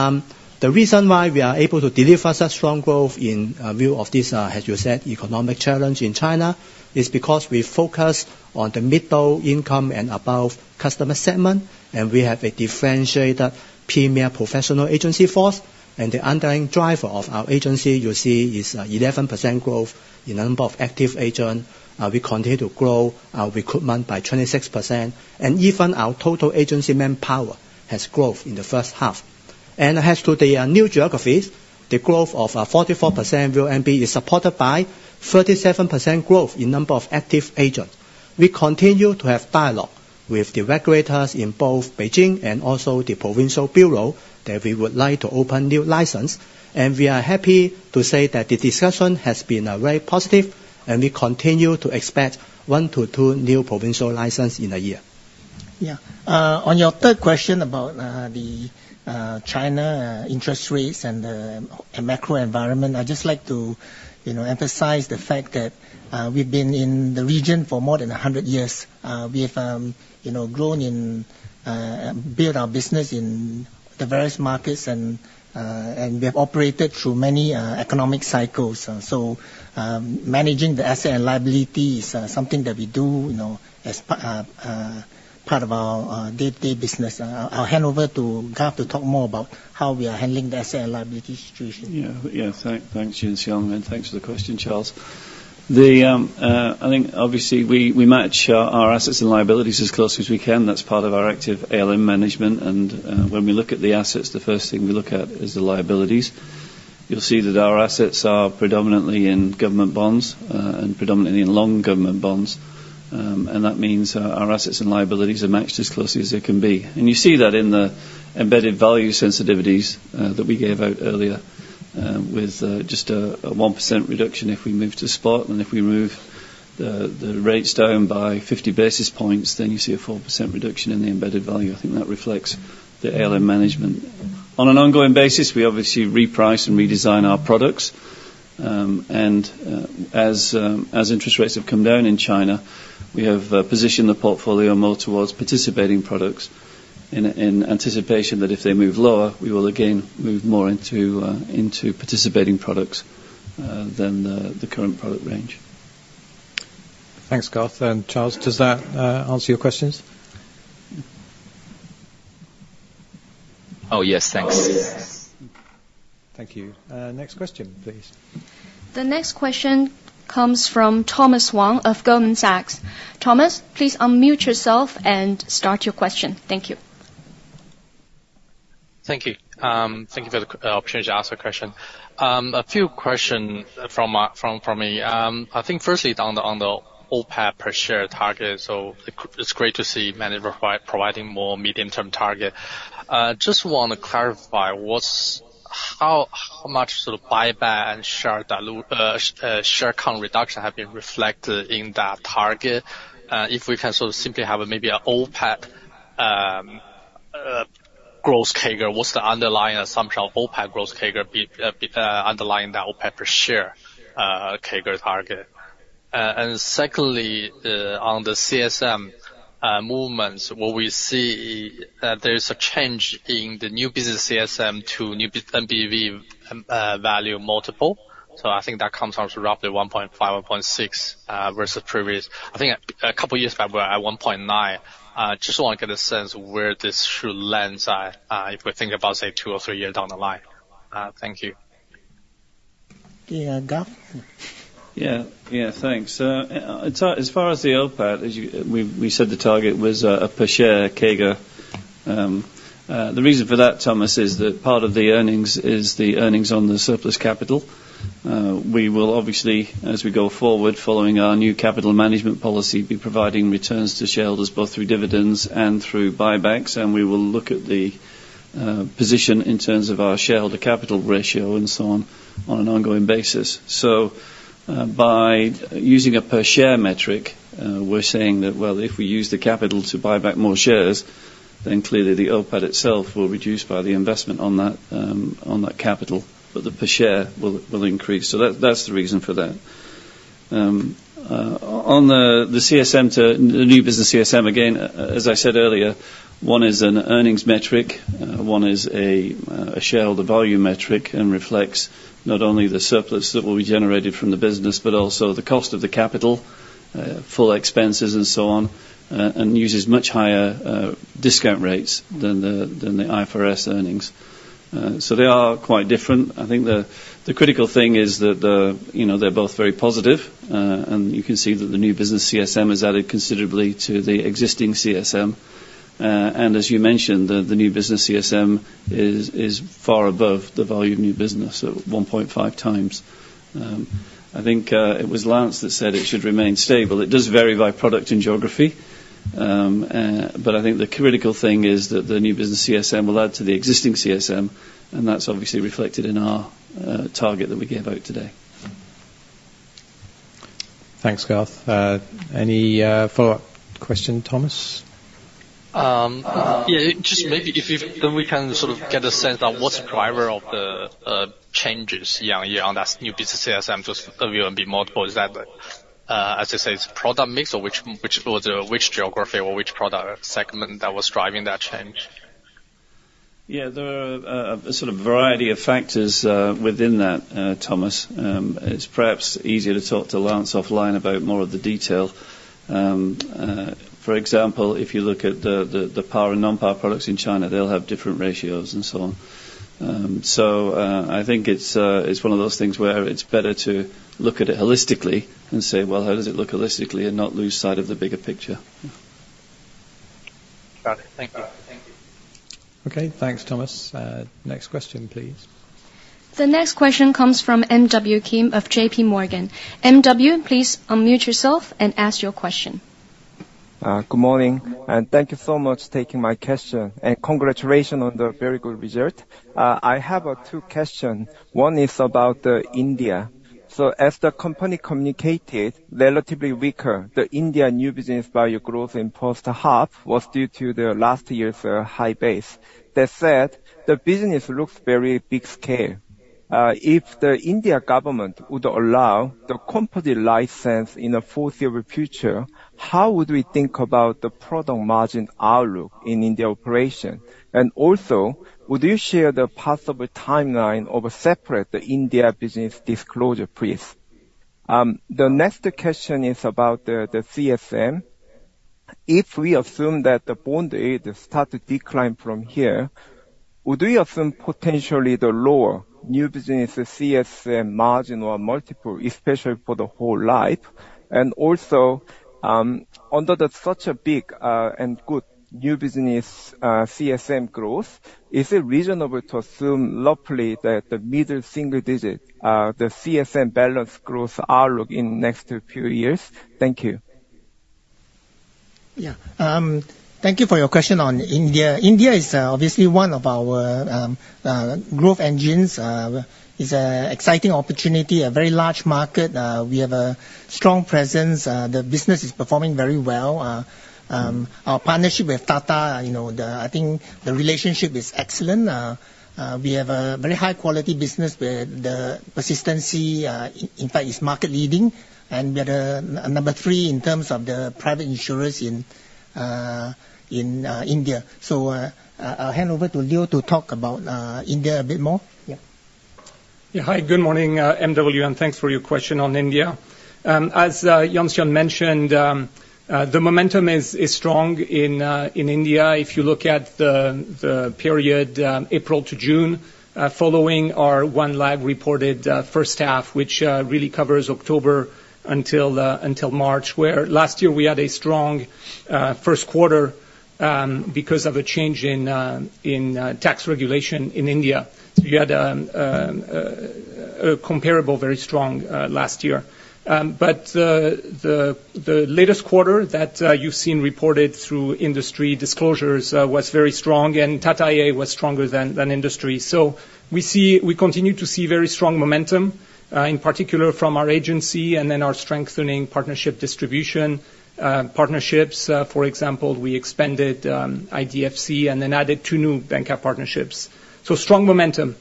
F: the reason why we are able to deliver such strong growth in view of this, as you said, economic challenge in China, is because we focus on the middle income and above customer segment, and we have a differentiated premier professional agency force. And the underlying driver of our agency, you see, is 11% growth in number of active agent. We continue to grow our recruitment by 26%, and even our total agency manpower has growth in the first half. As to the new geographies, the growth of 44% VONB is supported by 37% growth in number of active agents. We continue to have dialogue with the regulators in both Beijing and also the provincial bureau, that we would like to open new license. We are happy to say that the discussion has been very positive, and we continue to expect one to two new provincial license in a year.
A: Yeah. On your third question about the China interest rates and the macro environment, I'd just like to, you know, emphasize the fact that we've been in the region for more than a hundred years. We have, you know, grown and built our business in the various markets, and we have operated through many economic cycles. So, managing the asset and liability is something that we do, you know, as part of our day-to-day business. I'll hand over to Garth to talk more about how we are handling the asset and liability situation.
B: Yeah. Yeah, thanks, Yuan Siong, and thanks for the question, Charles. I think obviously, we match our assets and liabilities as closely as we can. That's part of our active ALM management. And when we look at the assets, the first thing we look at is the liabilities. You'll see that our assets are predominantly in government bonds, and predominantly in long government bonds. And that means our assets and liabilities are matched as closely as they can be. And you see that in the embedded value sensitivities that we gave out earlier, with just a 1% reduction if we move to spot, and if we move the rates down by fifty basis points, then you see a 4% reduction in the embedded value. I think that reflects the ALM management. On an ongoing basis, we obviously reprice and redesign our products. As interest rates have come down in China, we have positioned the portfolio more towards participating products in anticipation that if they move lower, we will again move more into participating products than the current product range.
C: Thanks, Garth. And Charles, does that answer your questions?
E: Oh, yes. Thanks.
C: Thank you. Next question, please.
D: The next question comes from Thomas Wang of Goldman Sachs. Thomas, please unmute yourself and start your question. Thank you.
G: Thank you. Thank you for the opportunity to ask a question. A few question from me. I think firstly on the OPAT per share target. So it's great to see management providing more medium-term target. Just want to clarify, how much sort of buyback and share dilution, share count reduction have been reflected in that target? If we can sort of simply have maybe a OPAT growth CAGR, what's the underlying assumption of OPAT growth CAGR be underlying the OPAT per share CAGR target? And secondly, on the CSM movements, will we see there is a change in the new business CSM to new biz NBV value multiple? So I think that comes out to roughly one point five or point six versus previous. I think a couple of years back, we were at one point nine. Just want to get a sense of where this should land at, if we think about, say, two or three years down the line. Thank you.
A: Yeah, Garth?
B: Yeah. Yeah, thanks. As far as the OPAT, as you—we said the target was a per share CAGR. The reason for that, Thomas, is that part of the earnings is the earnings on the surplus capital. We will obviously, as we go forward, following our new capital management policy, be providing returns to shareholders, both through dividends and through buybacks, and we will look at the position in terms of our shareholder capital ratio and so on, on an ongoing basis. So, by using a per share metric, we're saying that, well, if we use the capital to buy back more shares, then clearly the OPAT itself will reduce by the investment on that capital, but the per share will increase. So that, that's the reason for that. On the CSM to the new business CSM, again, as I said earlier, one is an earnings metric, one is a shareholder value metric and reflects not only the surplus that will be generated from the business, but also the cost of the capital, full expenses and so on, and uses much higher discount rates than the IFRS earnings. So they are quite different. I think the critical thing is that the... you know, they're both very positive, and you can see that the new business CSM has added considerably to the existing CSM. And as you mentioned, the new business CSM is far above the value of new business, at one point five times. I think it was Lance that said it should remain stable. It does vary by product and geography, but I think the critical thing is that the new business CSM will add to the existing CSM, and that's obviously reflected in our target that we gave out today.
C: Thanks, Garth. Any follow-up question, Thomas?
G: Yeah, just maybe if you then we can sort of get a sense of what's the driver of the changes year on year on that new business CSM, just EV/EBITDA multiple. Is that, as I say, it's product mix, or which geography or which product segment that was driving that change?
B: Yeah. There are a sort of variety of factors within that, Thomas. It's perhaps easier to talk to Lance offline about more of the detail. For example, if you look at the par and non-par products in China, they'll have different ratios and so on. So, I think it's one of those things where it's better to look at it holistically and say, "Well, how does it look holistically?" and not lose sight of the bigger picture.
G: Got it. Thank you.
C: Okay. Thanks, Thomas. Next question, please.
D: The next question comes from MW Kim of JPMorgan. MW, please unmute yourself and ask your question.
H: Good morning, and thank you so much taking my question, and congratulations on the very good result. I have two questions. One is about India. So as the company communicated, relatively weaker, the India new business value growth in second half was due to the last year's high base. That said, the business looks very big scale. If the Indian government would allow the company license in a foreseeable future, how would we think about the product margin outlook in India operation? And also, would you share the possible timeline of a separate India business disclosure, please? The next question is about the CSM. If we assume that the bond yield start to decline from here, would we assume potentially the lower new business CSM margin or multiple, especially for the whole life? And also, under such a big and good new business CSM growth, is it reasonable to assume roughly that the middle single digit the CSM balance growth outlook in next few years? Thank you....
A: Yeah, thank you for your question on India. India is obviously one of our growth engines. It is an exciting opportunity, a very large market. We have a strong presence. The business is performing very well. Our partnership with Tata, you know, the-- I think the relationship is excellent. We have a very high quality business, where the persistency, in fact, is market leading, and we are the number three in terms of the private insurers in India. So, I'll hand over to Leo to talk about India a bit more. Yeah.
I: Yeah. Hi, good morning, MW, and thanks for your question on India. As Yuan Siong mentioned, the momentum is strong in India. If you look at the period April to June following our one lag reported first half, which really covers October until March, where last year we had a strong first quarter because of a change in tax regulation in India. We had a comparable very strong last year. But the latest quarter that you've seen reported through industry disclosures was very strong, and Tata was stronger than industry. So we see. We continue to see very strong momentum in particular from our agency and then our strengthening partnership distribution partnerships. For example, we expanded IDFC and then added two new bancassurance partnerships. Strong momentum.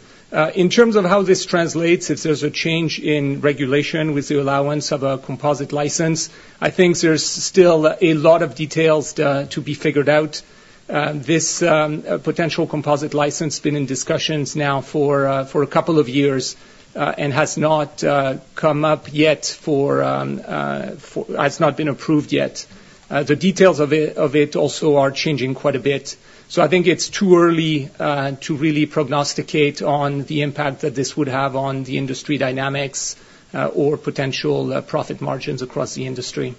I: In terms of how this translates, if there's a change in regulation with the allowance of a composite license, I think there's still a lot of details to be figured out. This potential composite license been in discussions now for a couple of years and has not come up yet for has not been approved yet. The details of it also are changing quite a bit. I think it's too early to really prognosticate on the impact that this would have on the industry dynamics or potential profit margins across the industry.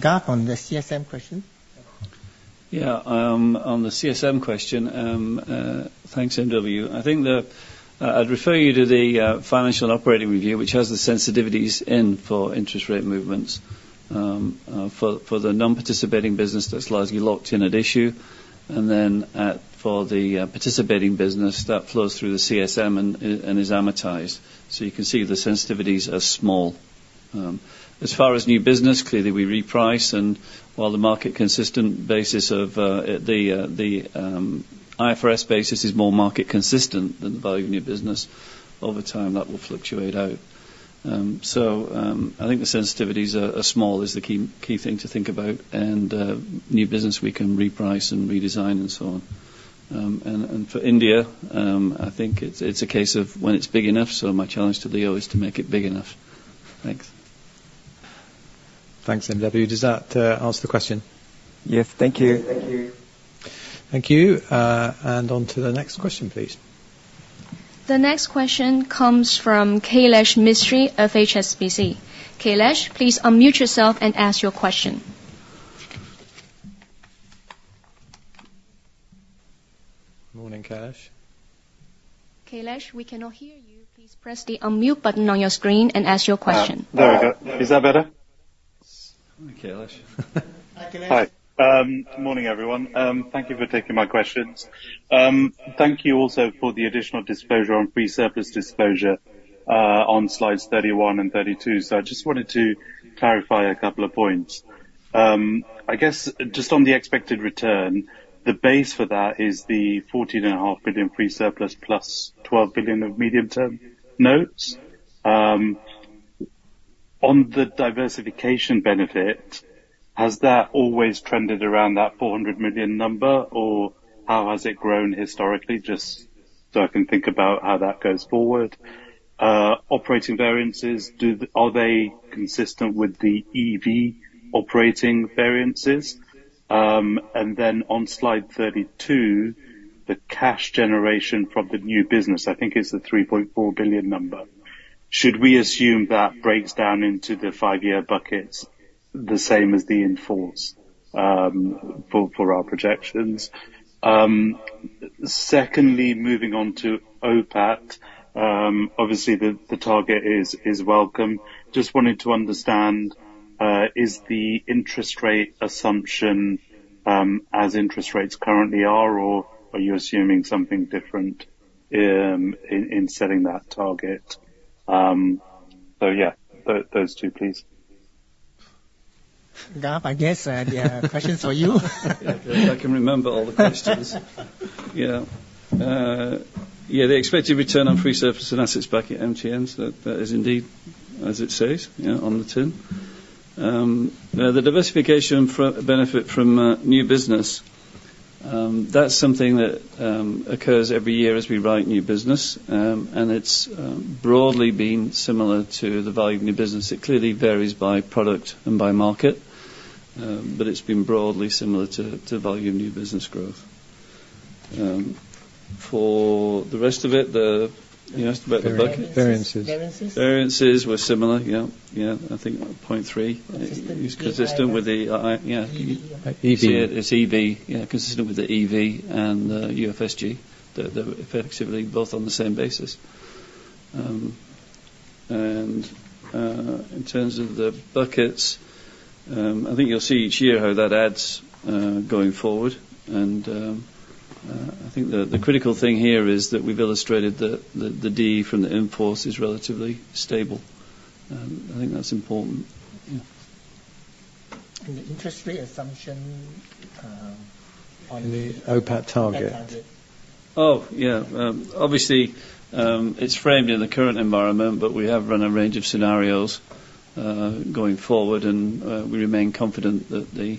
A: Garth, on the CSM question?
B: Yeah, on the CSM question, thanks, MW. I think I'd refer you to the financial and operating review, which has the sensitivities in for interest rate movements. For the non-participating business, that's largely locked in at issue, and then, for the participating business, that flows through the CSM and is amortized. So you can see the sensitivities are small. As far as new business, clearly, we reprice, and while the market consistent basis of the IFRS basis is more market consistent than the value of new business, over time, that will fluctuate out. So, I think the sensitivities are small, is the key thing to think about, and new business, we can reprice and redesign and so on. For India, I think it's a case of when it's big enough, so my challenge to Leo is to make it big enough. Thanks.
C: Thanks, MW. Does that answer the question?
H: Yes. Thank you.
I: Thank you.
C: Thank you, and on to the next question, please.
D: The next question comes from Kailesh Mistry of HSBC. Kailesh, please unmute yourself and ask your question.
C: Morning, Kailesh.
D: Kailesh, we cannot hear you. Please press the unmute button on your screen and ask your question.
J: Ah, there we go. Is that better?
B: Hi, Kailesh.
I: Hi, Kailesh.
J: Hi. Good morning, everyone. Thank you for taking my questions. Thank you also for the additional disclosure on free surplus disclosure, on slides 31 and 32. So I just wanted to clarify a couple of points. I guess just on the expected return, the base for that is the $14.5 billion free surplus plus $12 billion of medium-term notes? On the diversification benefit, has that always trended around that $400 million number, or how has it grown historically, just so I can think about how that goes forward? Operating variances, are they consistent with the EV operating variances? And then on slide 32, the cash generation from the new business, I think, is the $3.4 billion number. Should we assume that breaks down into the five-year buckets, the same as the in-force, for our projections? Secondly, moving on to OPAT. Obviously, the target is welcome. Just wanted to understand, is the interest rate assumption as interest rates currently are, or are you assuming something different in setting that target? So yeah, those two, please.
A: Garth, I guess, the questions for you.
B: If I can remember all the questions. Yeah, yeah, the expected return on free surplus and assets back at MTM, so that, that is indeed, as it says, yeah, on the tin. Now, the diversification benefit from new business, that's something that occurs every year as we write new business, and it's broadly been similar to the value of new business. It clearly varies by product and by market, but it's been broadly similar to volume new business growth. For the rest of it, the... You asked about the bucket?
C: Variances.
A: Variances.
B: Variances were similar, yeah, yeah. I think point three.
A: Consistent.
B: It's consistent. Yeah.
A: EV.
C: EV.
B: It's EV, yeah. Consistent with the EV and UFSG. Effectively both on the same basis. In terms of the buckets, I think you'll see each year how that adds going forward. I think the critical thing here is that we've illustrated the D from the IFRS is relatively stable, and I think that's important.
A: Yeah. And the interest rate assumption on-
J: The OPAT target.
A: OPAT target.
B: Oh, yeah. Obviously, it's framed in the current environment, but we have run a range of scenarios, going forward, and we remain confident that the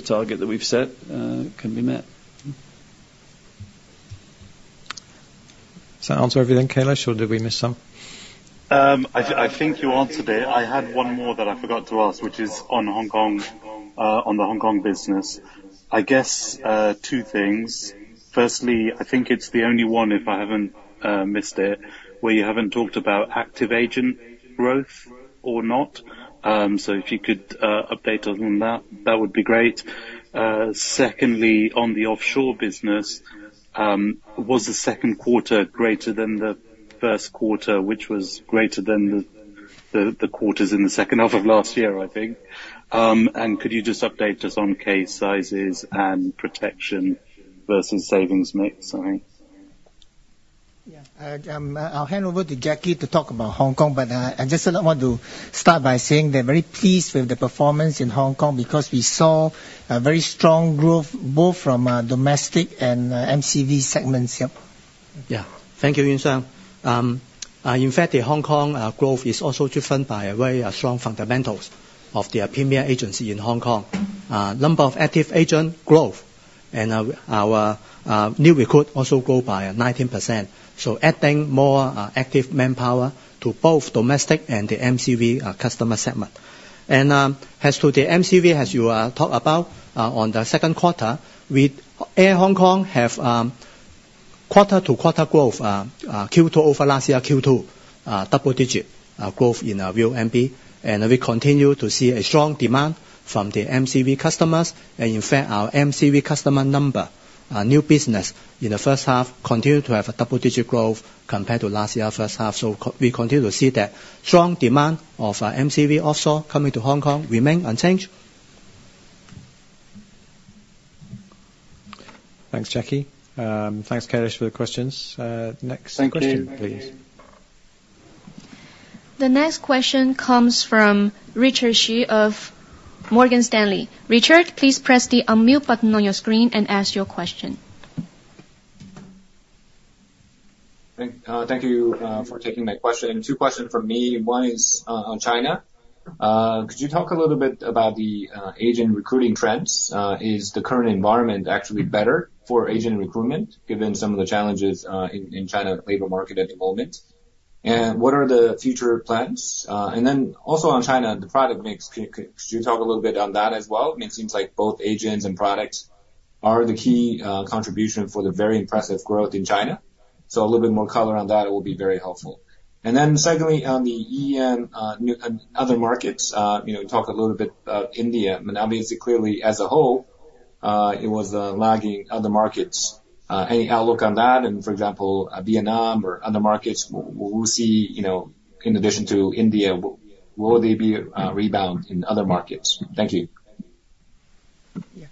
B: target that we've set can be met. Mm-hmm. Does that answer everything, Kailesh, or did we miss some?
J: I think you answered it. I had one more that I forgot to ask, which is on Hong Kong, on the Hong Kong business. I guess, two things. Firstly, I think it's the only one, if I haven't missed it, where you haven't talked about active agent growth or not. So if you could update us on that, that would be great. Secondly, on the offshore business, was the second quarter greater than the first quarter, which was greater than the quarters in the second half of last year, I think? And could you just update us on case sizes and protection versus savings mix, I think?
A: Yeah. I'll hand over to Jacky to talk about Hong Kong, but I just want to start by saying they're very pleased with the performance in Hong Kong, because we saw a very strong growth both from domestic and MCV segments. Yeah.
F: Yeah. Thank you, Yuan Siong. In fact, the Hong Kong growth is also driven by a very strong fundamentals of their Premier Agency in Hong Kong. Number of active agent growth, and our new recruit also grow by 19%. So adding more active manpower to both domestic and the MCV customer segment. And as to the MCV, as you talked about on the second quarter, we our Hong Kong have quarter-to-quarter growth Q2 over last year Q2 double digit growth in our VONB. And we continue to see a strong demand from the MCV customers. And in fact, our MCV customer number new business in the first half continue to have a double-digit growth compared to last year first half. So, we continue to see that strong demand of MCV offshore coming to Hong Kong remain unchanged.
C: Thanks, Jacky. Thanks, Kailesh, for the questions. Next question, please.
J: Thank you.
D: The next question comes from Richard Xu of Morgan Stanley. Richard, please press the unmute button on your screen and ask your question.
K: Thank you for taking my question. Two questions from me. One is on China. Could you talk a little bit about the agent recruiting trends? Is the current environment actually better for agent recruitment, given some of the challenges in the China labor market at the moment? And what are the future plans? And then also on China, the product mix, could you talk a little bit on that as well? It seems like both agents and products are the key contribution for the very impressive growth in China. So a little bit more color on that will be very helpful. And then secondly, on the EM new and other markets, you know, talk a little bit about India. I mean, obviously, clearly, as a whole, it was lagging other markets. Any outlook on that, and for example, Vietnam or other markets, we'll see, you know, in addition to India, will there be a rebound in other markets? Thank you.
A: Yeah.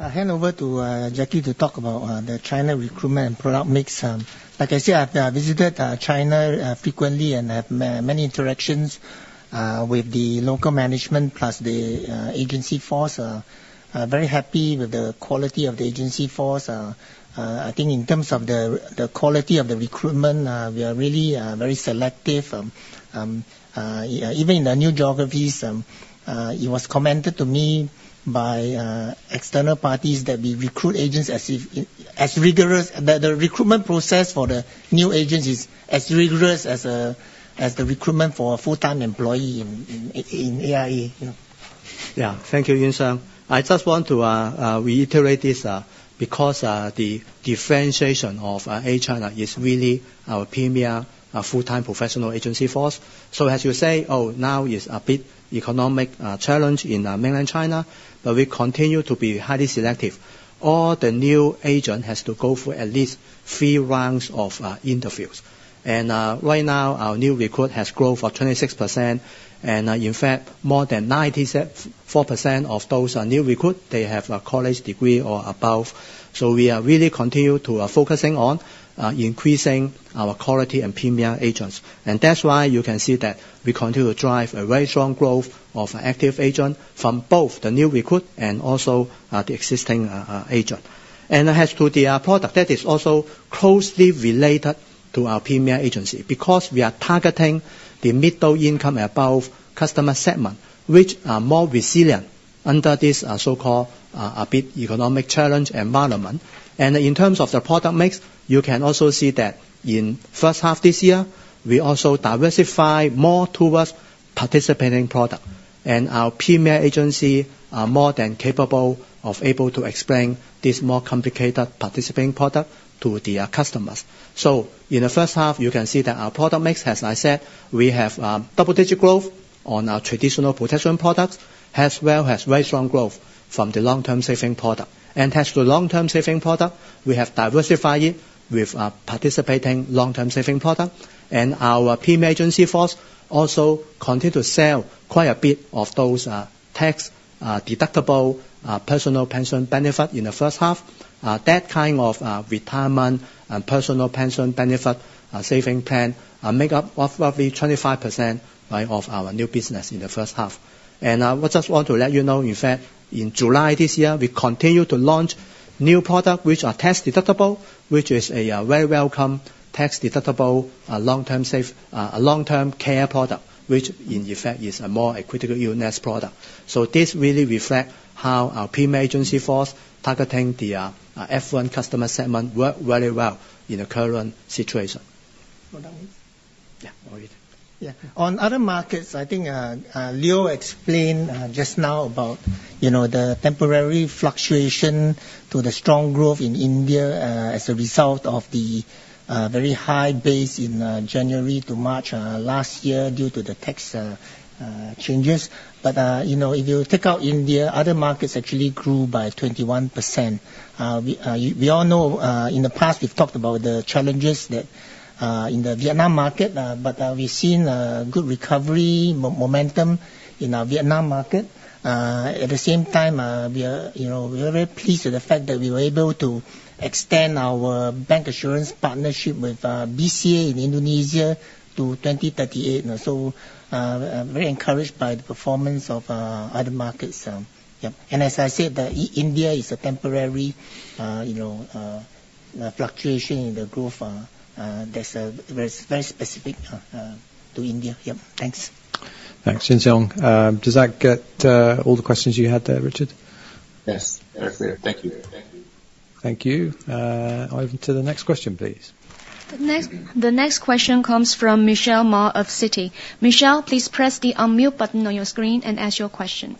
A: I hand over to Jacky to talk about the China recruitment and product mix. Like I said, I've visited China frequently and have many interactions with the local management, plus the agency force. Very happy with the quality of the agency force. I think in terms of the quality of the recruitment, we are really very selective. Even in the new geographies, it was commented to me by external parties that we recruit agents as if the recruitment process for the new agents is as rigorous as the recruitment for a full-time employee in AIA, you know?
F: Yeah. Thank you, Yuan Siong. I just want to reiterate this, because the differentiation of China is really our premier full-time professional agency force. So as you say, "Oh, now is a big economic challenge in Mainland China," but we continue to be highly selective. All the new agent has to go through at least three rounds of interviews. And right now, our new recruit has grown for 26%, and in fact, more than 94% of those new recruit, they have a college degree or above. So we are really continue to focusing on increasing our quality and premier agents. And that's why you can see that we continue to drive a very strong growth of active agent from both the new recruit and also the existing agent. As to the product, that is also closely related to our Premier Agency, because we are targeting the middle income above customer segment, which are more resilient under this so-called a big economic challenge environment. In terms of the product mix, you can also see that in first half this year, we also diversify more towards participating product, and our Premier Agency are more than capable of explain this more complicated participating product to the customers. In the first half, you can see that our product mix, as I said, we have double-digit growth on our traditional protection products, as well as very strong growth from the long-term saving product. And as to long-term saving product, we have diversify it with participating long-term saving product, and our Premier Agency force also continue to sell quite a bit of those tax deductible personal pension benefit in the first half. That kind of retirement and personal pension benefit saving plan make up of roughly 25%, right, of our new business in the first half. And we just want to let you know, in fact, in July this year, we continue to launch new product, which are tax deductible, which is a very welcome tax deductible long-term care product, which in effect is more a critical illness product. So this really reflect how our Premier Agency force, targeting the affluent customer segment, work very well in the current situation.
A: Go that way?
F: Yeah, all right.
A: Yeah. On other markets, I think, Leo explained, just now about, you know, the temporary fluctuation to the strong growth in India, as a result of the, very high base in, January to March, last year, due to the tax, changes. But, you know, if you take out India, other markets actually grew by 21%. We all know, in the past, we've talked about the challenges that, in the Vietnam market, but, we've seen, good recovery momentum in our Vietnam market. At the same time, we are, you know, very pleased with the fact that we were able to extend our bancassurance partnership with, BCA in Indonesia to 2038. And so, very encouraged by the performance of, other markets, yep. As I said, India is a temporary, you know, fluctuation in the growth, that's very, very specific to India. Yep. Thanks.
C: Thanks, Yuan Siong. Does that get all the questions you had there, Richard?
K: Yes. Yes. Thank you. Thank you.
C: Thank you. Over to the next question, please.
D: The next question comes from Michelle Ma of Citi. Michelle, please press the unmute button on your screen and ask your question.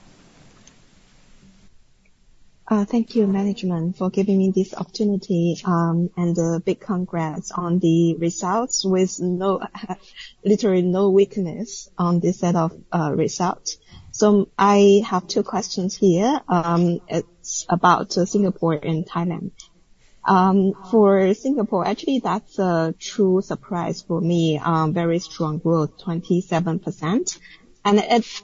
L: Thank you, management, for giving me this opportunity, and a big congrats on the results with no literally no weakness on this set of results, so I have two questions here. It's about Singapore and Thailand. For Singapore, actually, that's a true surprise for me, very strong growth, 27%. And it's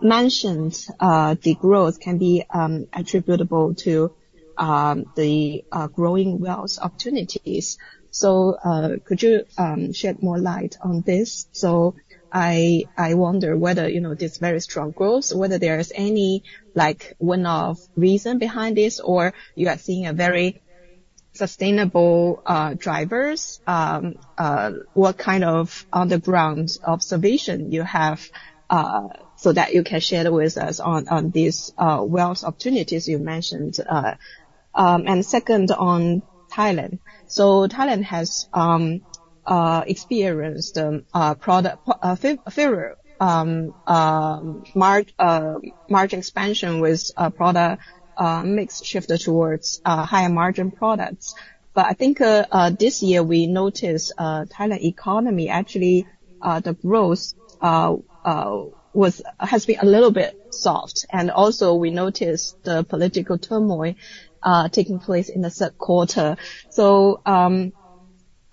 L: mentioned the growth can be attributable to the growing wealth opportunities, so could you shed more light on this, so I wonder whether, you know, this very strong growth, whether there is any, like, one-off reason behind this, or you are seeing a very sustainable drivers. What kind of on-the-ground observation you have so that you can share with us on this wealth opportunities you mentioned, and second, on Thailand. So Thailand has experienced a product favorable margin expansion with a product mix shifted towards higher margin products. But I think this year we noticed Thailand economy actually the growth has been a little bit soft. And also, we noticed the political turmoil taking place in the third quarter. So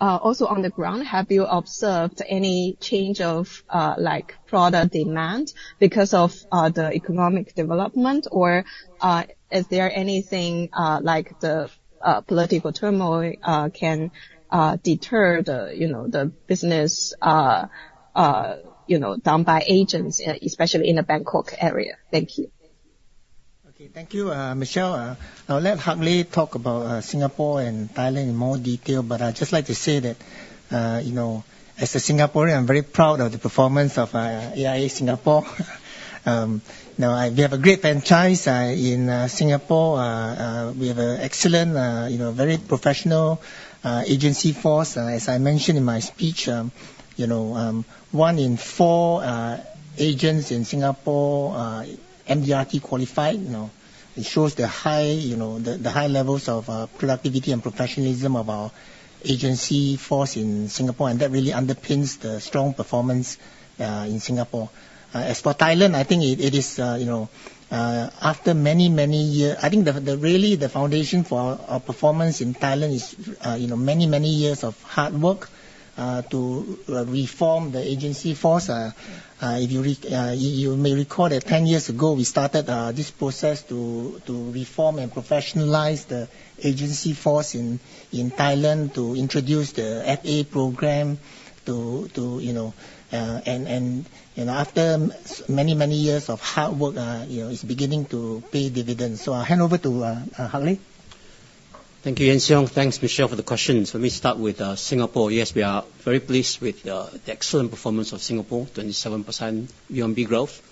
L: also on the ground, have you observed any change of like product demand because of the economic development? Or is there anything like the political turmoil can deter the you know the business you know done by agents especially in the Bangkok area? Thank you.
A: Okay. Thank you, Michelle. I'll let Hak Leh talk about Singapore and Thailand in more detail, but I'd just like to say that, you know, as a Singaporean, I'm very proud of the performance of AIA Singapore. Now, we have a great franchise in Singapore. We have an excellent, you know, very professional agency force. And as I mentioned in my speech, you know, one in four agents in Singapore are MDRT qualified. You know, it shows the high, you know, the high levels of productivity and professionalism of our agency force in Singapore, and that really underpins the strong performance in Singapore. As for Thailand, I think it is, you know, after many, many years. I think the foundation for our performance in Thailand is, you know, many, many years of hard work to reform the agency force. If you may recall that ten years ago we started this process to reform and professionalize the agency force in Thailand to introduce the FA program to, you know. You know, after many, many years of hard work, you know, it is beginning to pay dividends. So I'll hand over to Hak Leh.
M: Thank you, Yuan Siong. Thanks, Michelle, for the questions. Let me start with Singapore. Yes, we are very pleased with the excellent performance of Singapore, 27% VONB growth.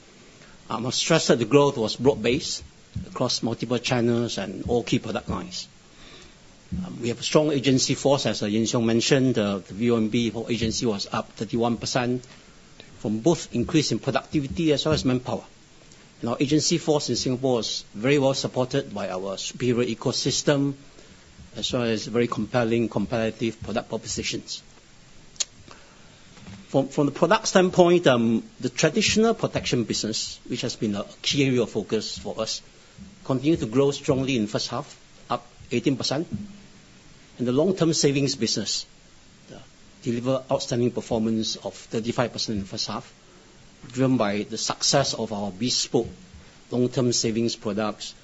M: I must stress that the growth was broad-based across multiple channels and all key product lines. We have a strong agency force, as Yuan Siong mentioned, the VONB whole agency was up 31% from both increase in productivity as well as manpower. Now, agency force in Singapore is very well supported by our superior ecosystem, as well as very compelling competitive product propositions. From the product standpoint, the traditional protection business, which has been a key area of focus for us, continued to grow strongly in first half, up 18%. The long-term savings business deliver outstanding performance of 35% in first half, driven by the success of our bespoke long-term savings products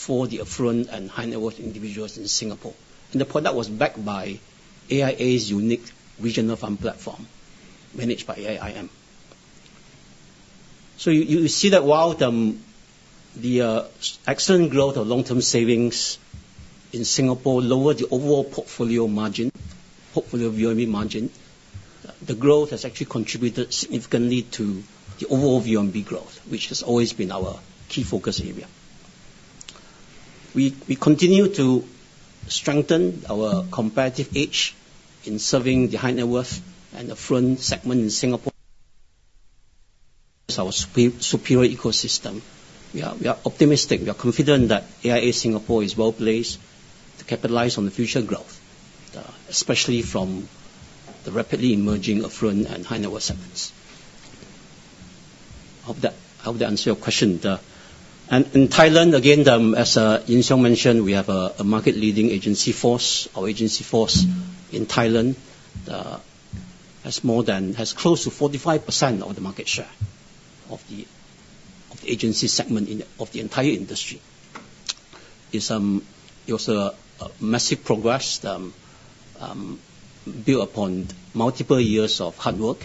M: for the affluent and high-net-worth individuals in Singapore. The product was backed by AIA's unique regional fund platform, managed by AIM. You see that while the excellent growth of long-term savings in Singapore lowered the overall portfolio margin, portfolio VONB margin, the growth has actually contributed significantly to the overall VONB growth, which has always been our key focus area. We continue to strengthen our competitive edge in serving the high-net worth and affluent segment in Singapore. Our superior ecosystem, we are optimistic. We are confident that AIA Singapore is well-placed to capitalize on the future growth, especially from the rapidly emerging affluent and high-net-worth segments. I hope that answers your question. And in Thailand, again, as Yuan Siong mentioned, we have a market-leading agency force. Our agency force in Thailand has close to 45% of the market share of the agency segment of the entire industry. It was a massive progress built upon multiple years of hard work.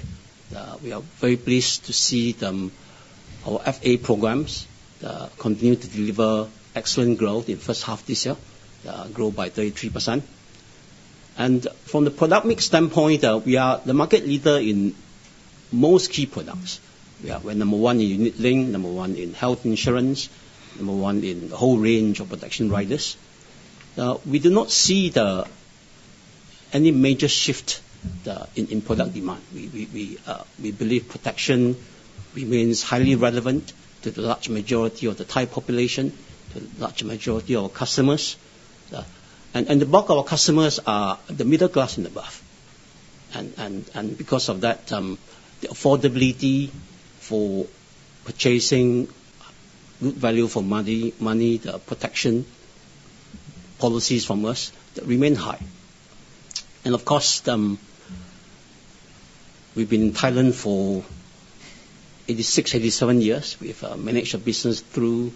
M: We are very pleased to see them. Our FA programs continue to deliver excellent growth in first half this year, grow by 33%. And from the product mix standpoint, we are the market leader in most key products. We are. We're number one in unit-linked, number one in health insurance, number one in the whole range of protection riders. We do not see any major shift in product demand. We believe protection remains highly relevant to the large majority of the Thai population, the large majority of our customers, and because of that, the affordability for purchasing good value for money, the protection policies from us, they remain high, and of course, we've been in Thailand for 86-87 years. We've managed our business through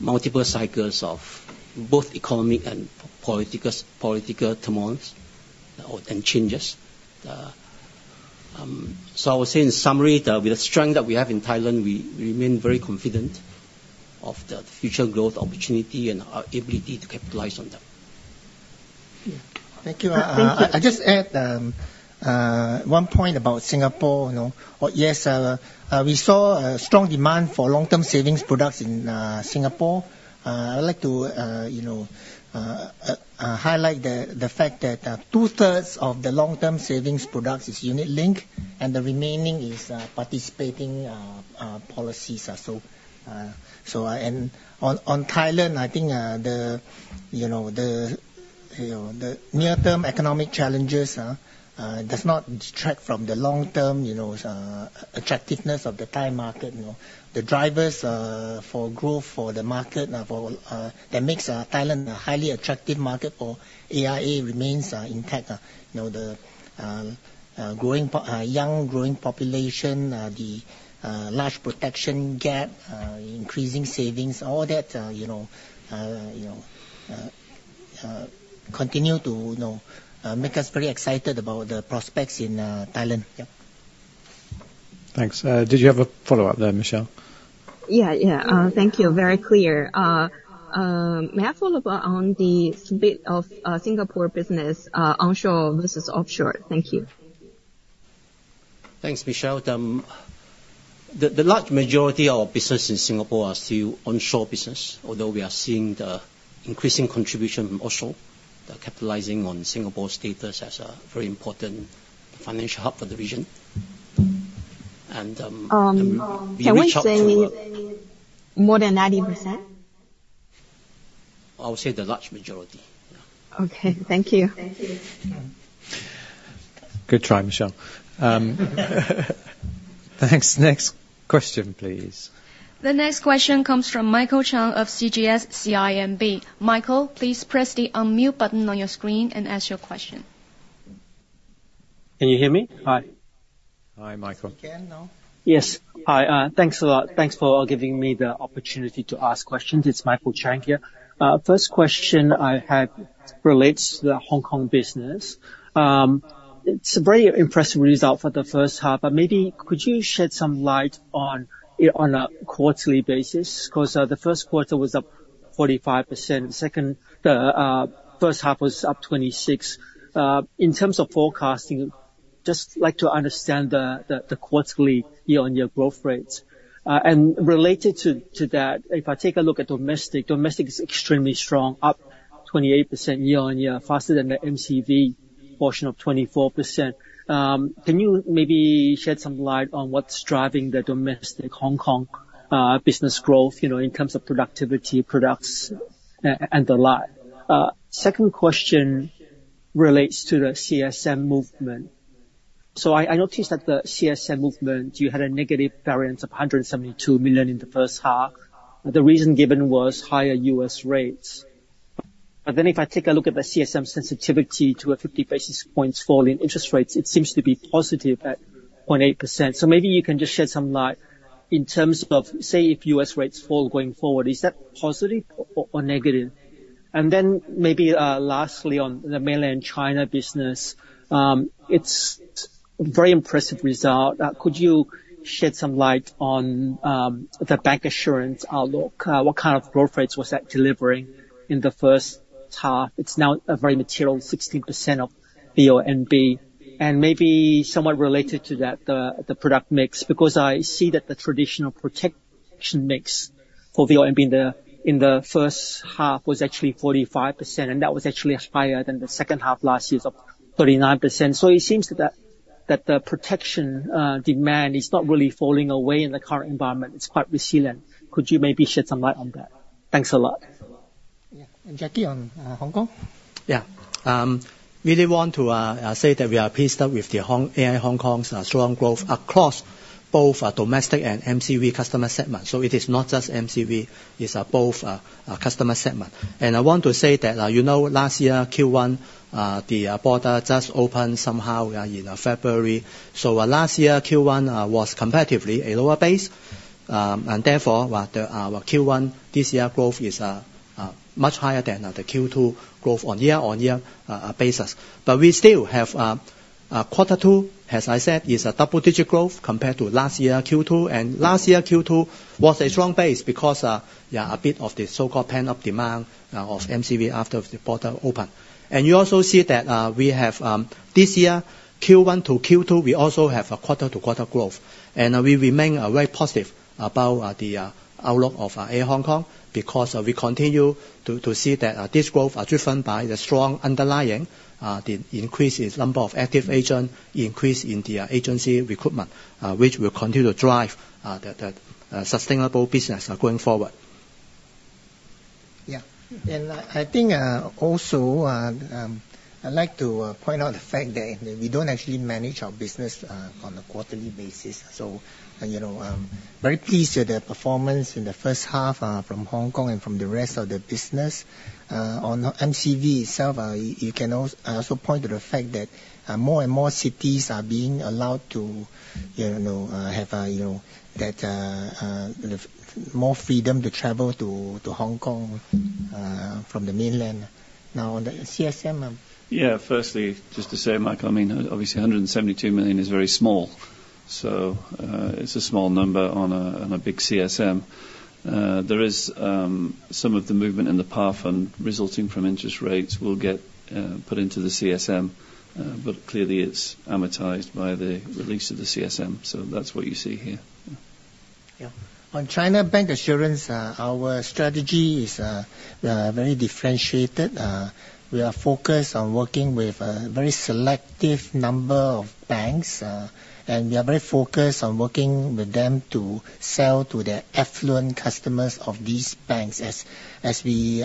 M: multiple cycles of both economic and political turmoils and changes, so I would say in summary, with the strength that we have in Thailand, we remain very confident of the future growth opportunity and our ability to capitalize on them. Thank you.
A: Thank you. I just add one point about Singapore, you know. Well, yes, we saw a strong demand for long-term savings products in Singapore. I'd like to, you know, highlight the fact that two-thirds of the long-term savings products is unit-linked, and the remaining is participating policies. And on Thailand, I think, you know, the near-term economic challenges does not detract from the long-term, you know, attractiveness of the Thai market, you know. The drivers for growth for the market for that makes Thailand a highly attractive market for AIA remains intact, you know, the young, growing population, the large protection gap, increasing savings, all that, you know, you know, continue to, you know, make us very excited about the prospects in Thailand. Yeah.
C: Thanks. Did you have a follow-up there, Michelle?
L: Yeah, yeah. Thank you. Very clear. May I follow up on the bit of Singapore business, onshore versus offshore? Thank you.
M: Thanks, Michelle. The large majority of our business in Singapore are still onshore business, although we are seeing the increasing contribution from offshore, capitalizing on Singapore's status as a very important financial hub for the region. And we reach out to the-
L: Can we say more than 90%?
M: I would say the large majority, yeah.
L: Okay, thank you.
C: Good try, Michelle. Thanks. Next question, please.
D: The next question comes from Michael Chang of CGS-CIMB. Michael, please press the unmute button on your screen and ask your question.
N: Can you hear me? Hi.
C: Hi, Michael.
A: We can now.
N: Yes. Hi, thanks a lot. Thanks for giving me the opportunity to ask questions. It's Michael Chang here. First question I have relates to the Hong Kong business. It's a very impressive result for the first half, but maybe could you shed some light on it on a quarterly basis? Because, the first quarter was up 45%. The first half was up 26%. In terms of forecasting. Just like to understand the quarterly year-on-year growth rates. And related to that, if I take a look at domestic, domestic is extremely strong, up 28% year-on-year, faster than the MCV portion of 24%. Can you maybe shed some light on what's driving the domestic Hong Kong business growth, you know, in terms of productivity, products, and the like? Second question relates to the CSM movement. So I noticed that the CSM movement, you had a negative variance of $172 million in the first half, and the reason given was higher U.S. rates. But then if I take a look at the CSM sensitivity to a 50 basis points fall in interest rates, it seems to be positive at 0.8%. So maybe you can just shed some light in terms of, say, if U.S. rates fall going forward, is that positive or negative? And then maybe, lastly, on the Mainland China business, it's very impressive result. Could you shed some light on the bancassurance outlook? What kind of growth rates was that delivering in the first half? It's now a very material 16% of the VONB, and maybe somewhat related to that, the product mix, because I see that the traditional protection mix for the VONB in the first half was actually 45%, and that was actually higher than the second half last year of 39%. So it seems that the protection demand is not really falling away in the current environment. It's quite resilient. Could you maybe shed some light on that? Thanks a lot.
A: Yeah. And Jacky, on Hong Kong?
F: Yeah. Really want to say that we are pleased with the Hong- AIA Hong Kong's strong growth across both domestic and MCV customer segment. So it is not just MCV, it's both customer segment. And I want to say that, you know, last year, Q1, the border just opened somehow in February. So last year, Q1 was comparatively a lower base. And therefore, our Q1 this year growth is much higher than the Q2 growth on year-on-year basis. But we still have quarter two, as I said, is a double-digit growth compared to last year, Q2. And last year, Q2 was a strong base because yeah, a bit of the so-called pent-up demand of MCV after the border opened. You also see that we have, this year, Q1 to Q2, we also have a quarter-to-quarter growth. We remain very positive about the outlook of AIA Hong Kong, because we continue to see that this growth are driven by the strong underlying the increase in number of active agent, increase in the agency recruitment, which will continue to drive the sustainable business going forward.
A: Yeah. And I think also I'd like to point out the fact that we don't actually manage our business on a quarterly basis. So, you know, I'm very pleased with the performance in the first half from Hong Kong and from the rest of the business. On MCV itself, you can also point to the fact that more and more cities are being allowed to, you know, have more freedom to travel to Hong Kong from the mainland. Now, on the CSM,
B: Yeah, firstly, just to say, Michael, I mean, obviously, $172 million is very small. So, it's a small number on a, on a big CSM. There is, some of the movement in the path and resulting from interest rates will get, put into the CSM, but clearly, it's amortized by the release of the CSM. So that's what you see here.
A: Yeah. On China bancassurance, our strategy is very differentiated. We are focused on working with a very selective number of banks, and we are very focused on working with them to sell to the affluent customers of these banks as we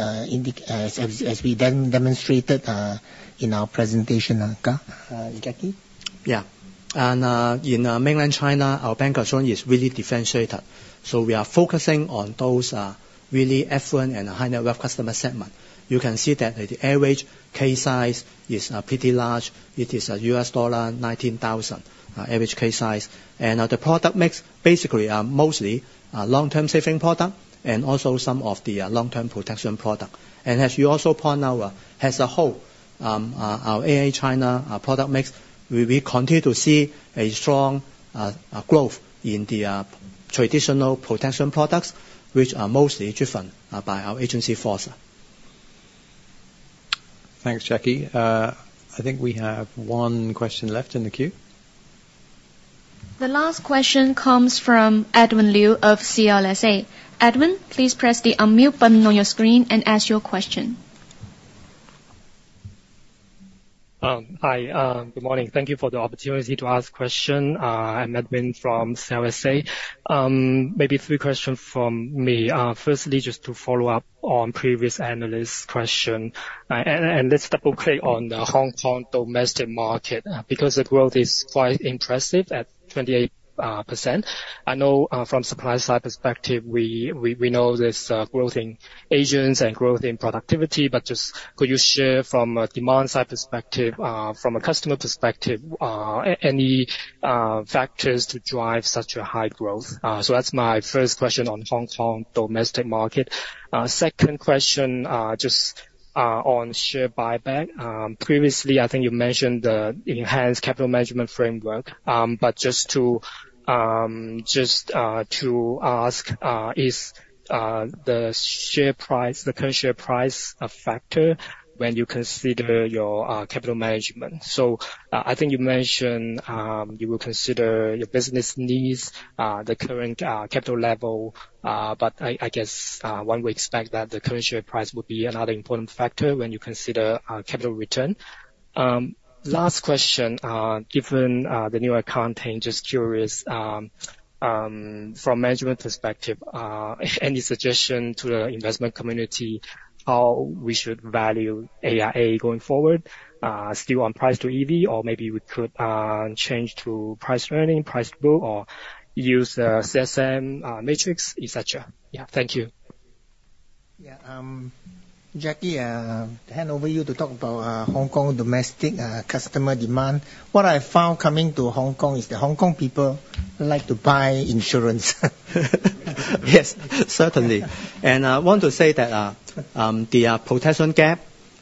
A: demonstrated in our presentation. Jacky?
F: Yeah, and in Mainland China, our bancassurance is really differentiated. So we are focusing on those really affluent and high net worth customer segment. You can see that the average case size is pretty large. It is $19,000 average case size. And the product mix basically are mostly long-term saving product and also some of the long-term protection product. And as you also point out, as a whole, our AIA China product mix, we continue to see a strong growth in the traditional protection products, which are mostly driven by our agency force.
C: Thanks, Jacky. I think we have one question left in the queue.
D: The last question comes from Edwin Liu of CLSA. Edwin, please press the unmute button on your screen and ask your question.
O: Hi, good morning. Thank you for the opportunity to ask question. I'm Edwin from CLSA. Maybe three questions from me. Firstly, just to follow up on previous analyst question, and let's double-click on the Hong Kong domestic market, because the growth is quite impressive at 28%. I know from supply side perspective, we know there's growth in agents and growth in productivity, but just could you share from a demand side perspective, from a customer perspective, any factors to drive such a high growth? So that's my first question on Hong Kong domestic market. Second question just on share buyback. Previously, I think you mentioned the enhanced capital management framework, but just to ask, is the share price, the current share price, a factor? When you consider your capital management. So, I think you mentioned you will consider your business needs, the current capital level. But I guess one would expect that the current share price would be another important factor when you consider capital return. Last question, given the new accounting, just curious, from management perspective, any suggestion to the investment community how we should value AIA going forward? Still on price to EV, or maybe we could change to price earning, price book, or use CSM metrics, et cetera. Yeah, thank you.
F: Yeah, Jacky, hand over you to talk about Hong Kong domestic customer demand. What I found coming to Hong Kong is that Hong Kong people like to buy insurance. Yes, certainly. And I want to say that the protection gap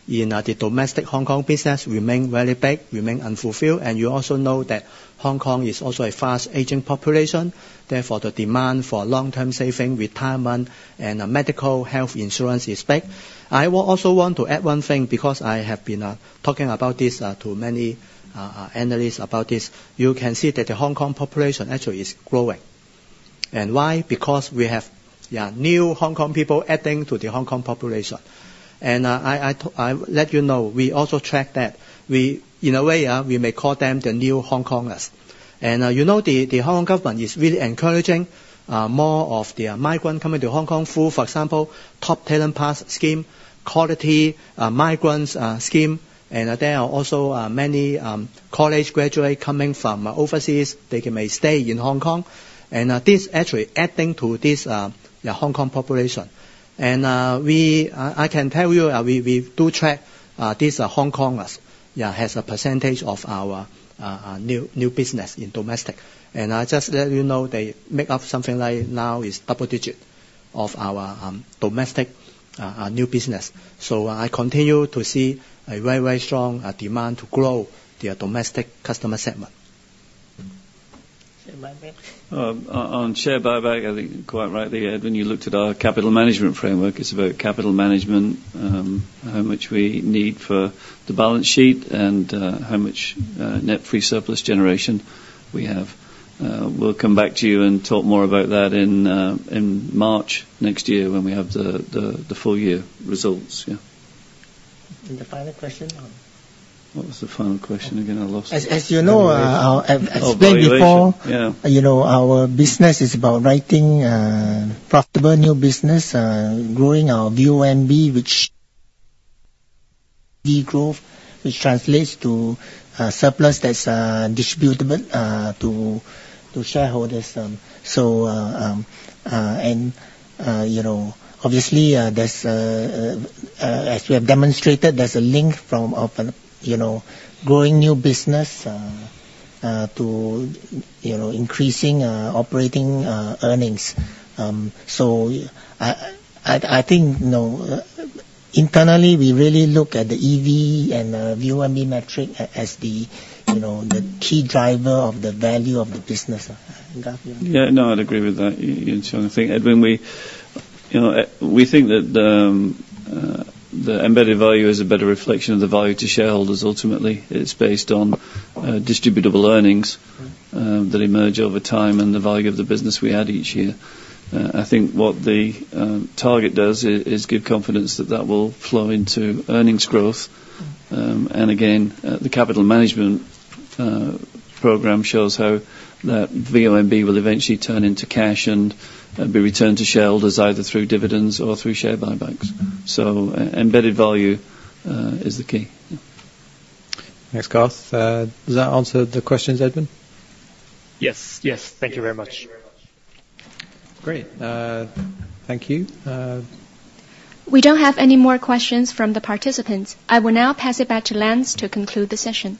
F: in the domestic Hong Kong business remain very big, remain unfulfilled. And you also know that Hong Kong is also a fast aging population, therefore, the demand for long-term saving, retirement, and medical health insurance is back. I will also want to add one thing, because I have been talking about this to many analysts about this. You can see that the Hong Kong population actually is growing. And why? Because we have new Hong Kong people adding to the Hong Kong population. And I let you know, we also track that. We, in a way, we may call them the new Hong Kongers. And, you know, the Hong Kong government is really encouraging more of their migrant coming to Hong Kong through, for example, Top Talent Pass Scheme, Quality Migrant Admission Scheme, and there are also many college graduate coming from overseas. They can may stay in Hong Kong, and this actually adding to this the Hong Kong population. And, I can tell you, we do track these Hong Kongers, yeah, as a percentage of our new business in domestic. And I just let you know, they make up something like now is double digit of our domestic new business. So I continue to see a very, very strong demand to grow the domestic customer segment.
O: Share buyback.
B: On share buyback, I think quite rightly, Edwin, you looked at our capital management framework. It's about capital management, how much we need for the balance sheet, and how much net free surplus generation we have. We'll come back to you and talk more about that in March next year when we have the full year results. Yeah.
A: And the final question?
B: What was the final question again? I lost-
A: As you know, I explained before-
B: Oh, valuation. Yeah.
A: You know, our business is about writing profitable new business, growing our VONB, which VONB growth, which translates to surplus that's distributable to shareholders. So you know, obviously, there's, as we have demonstrated, there's a link from VONB, you know, growing new business to you know, increasing operating earnings. So I think, you know, internally, we really look at the EV and VONB metric as the you know, the key driver of the value of the business. Garth?
B: Yeah, no, I'd agree with that, Yuan Siong. I think, Edwin, we, you know, we think that, the embedded value is a better reflection of the value to shareholders ultimately. It's based on, distributable earnings-
A: Mm-hmm.
B: that emerge over time and the value of the business we add each year. I think what the target does is give confidence that that will flow into earnings growth.
A: Mm-hmm.
B: And again, the capital management program shows how that VONB will eventually turn into cash and be returned to shareholders, either through dividends or through share buybacks. So embedded value is the key. Yeah.
C: Thanks, Garth. Does that answer the questions, Edwin?
O: Yes. Yes. Thank you very much.
C: Great. Thank you...
D: We don't have any more questions from the participants. I will now pass it back to Lance to conclude the session.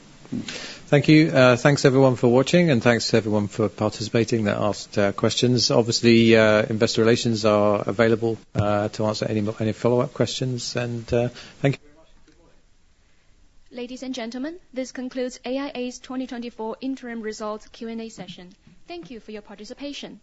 C: Thank you. Thanks, everyone, for watching, and thanks to everyone for participating that asked questions. Obviously, investor relations are available to answer any follow-up questions. And, thank you very much. Good morning.
D: Ladies and gentlemen, this concludes AIA's twenty twenty-four interim results Q&A session. Thank you for your participation.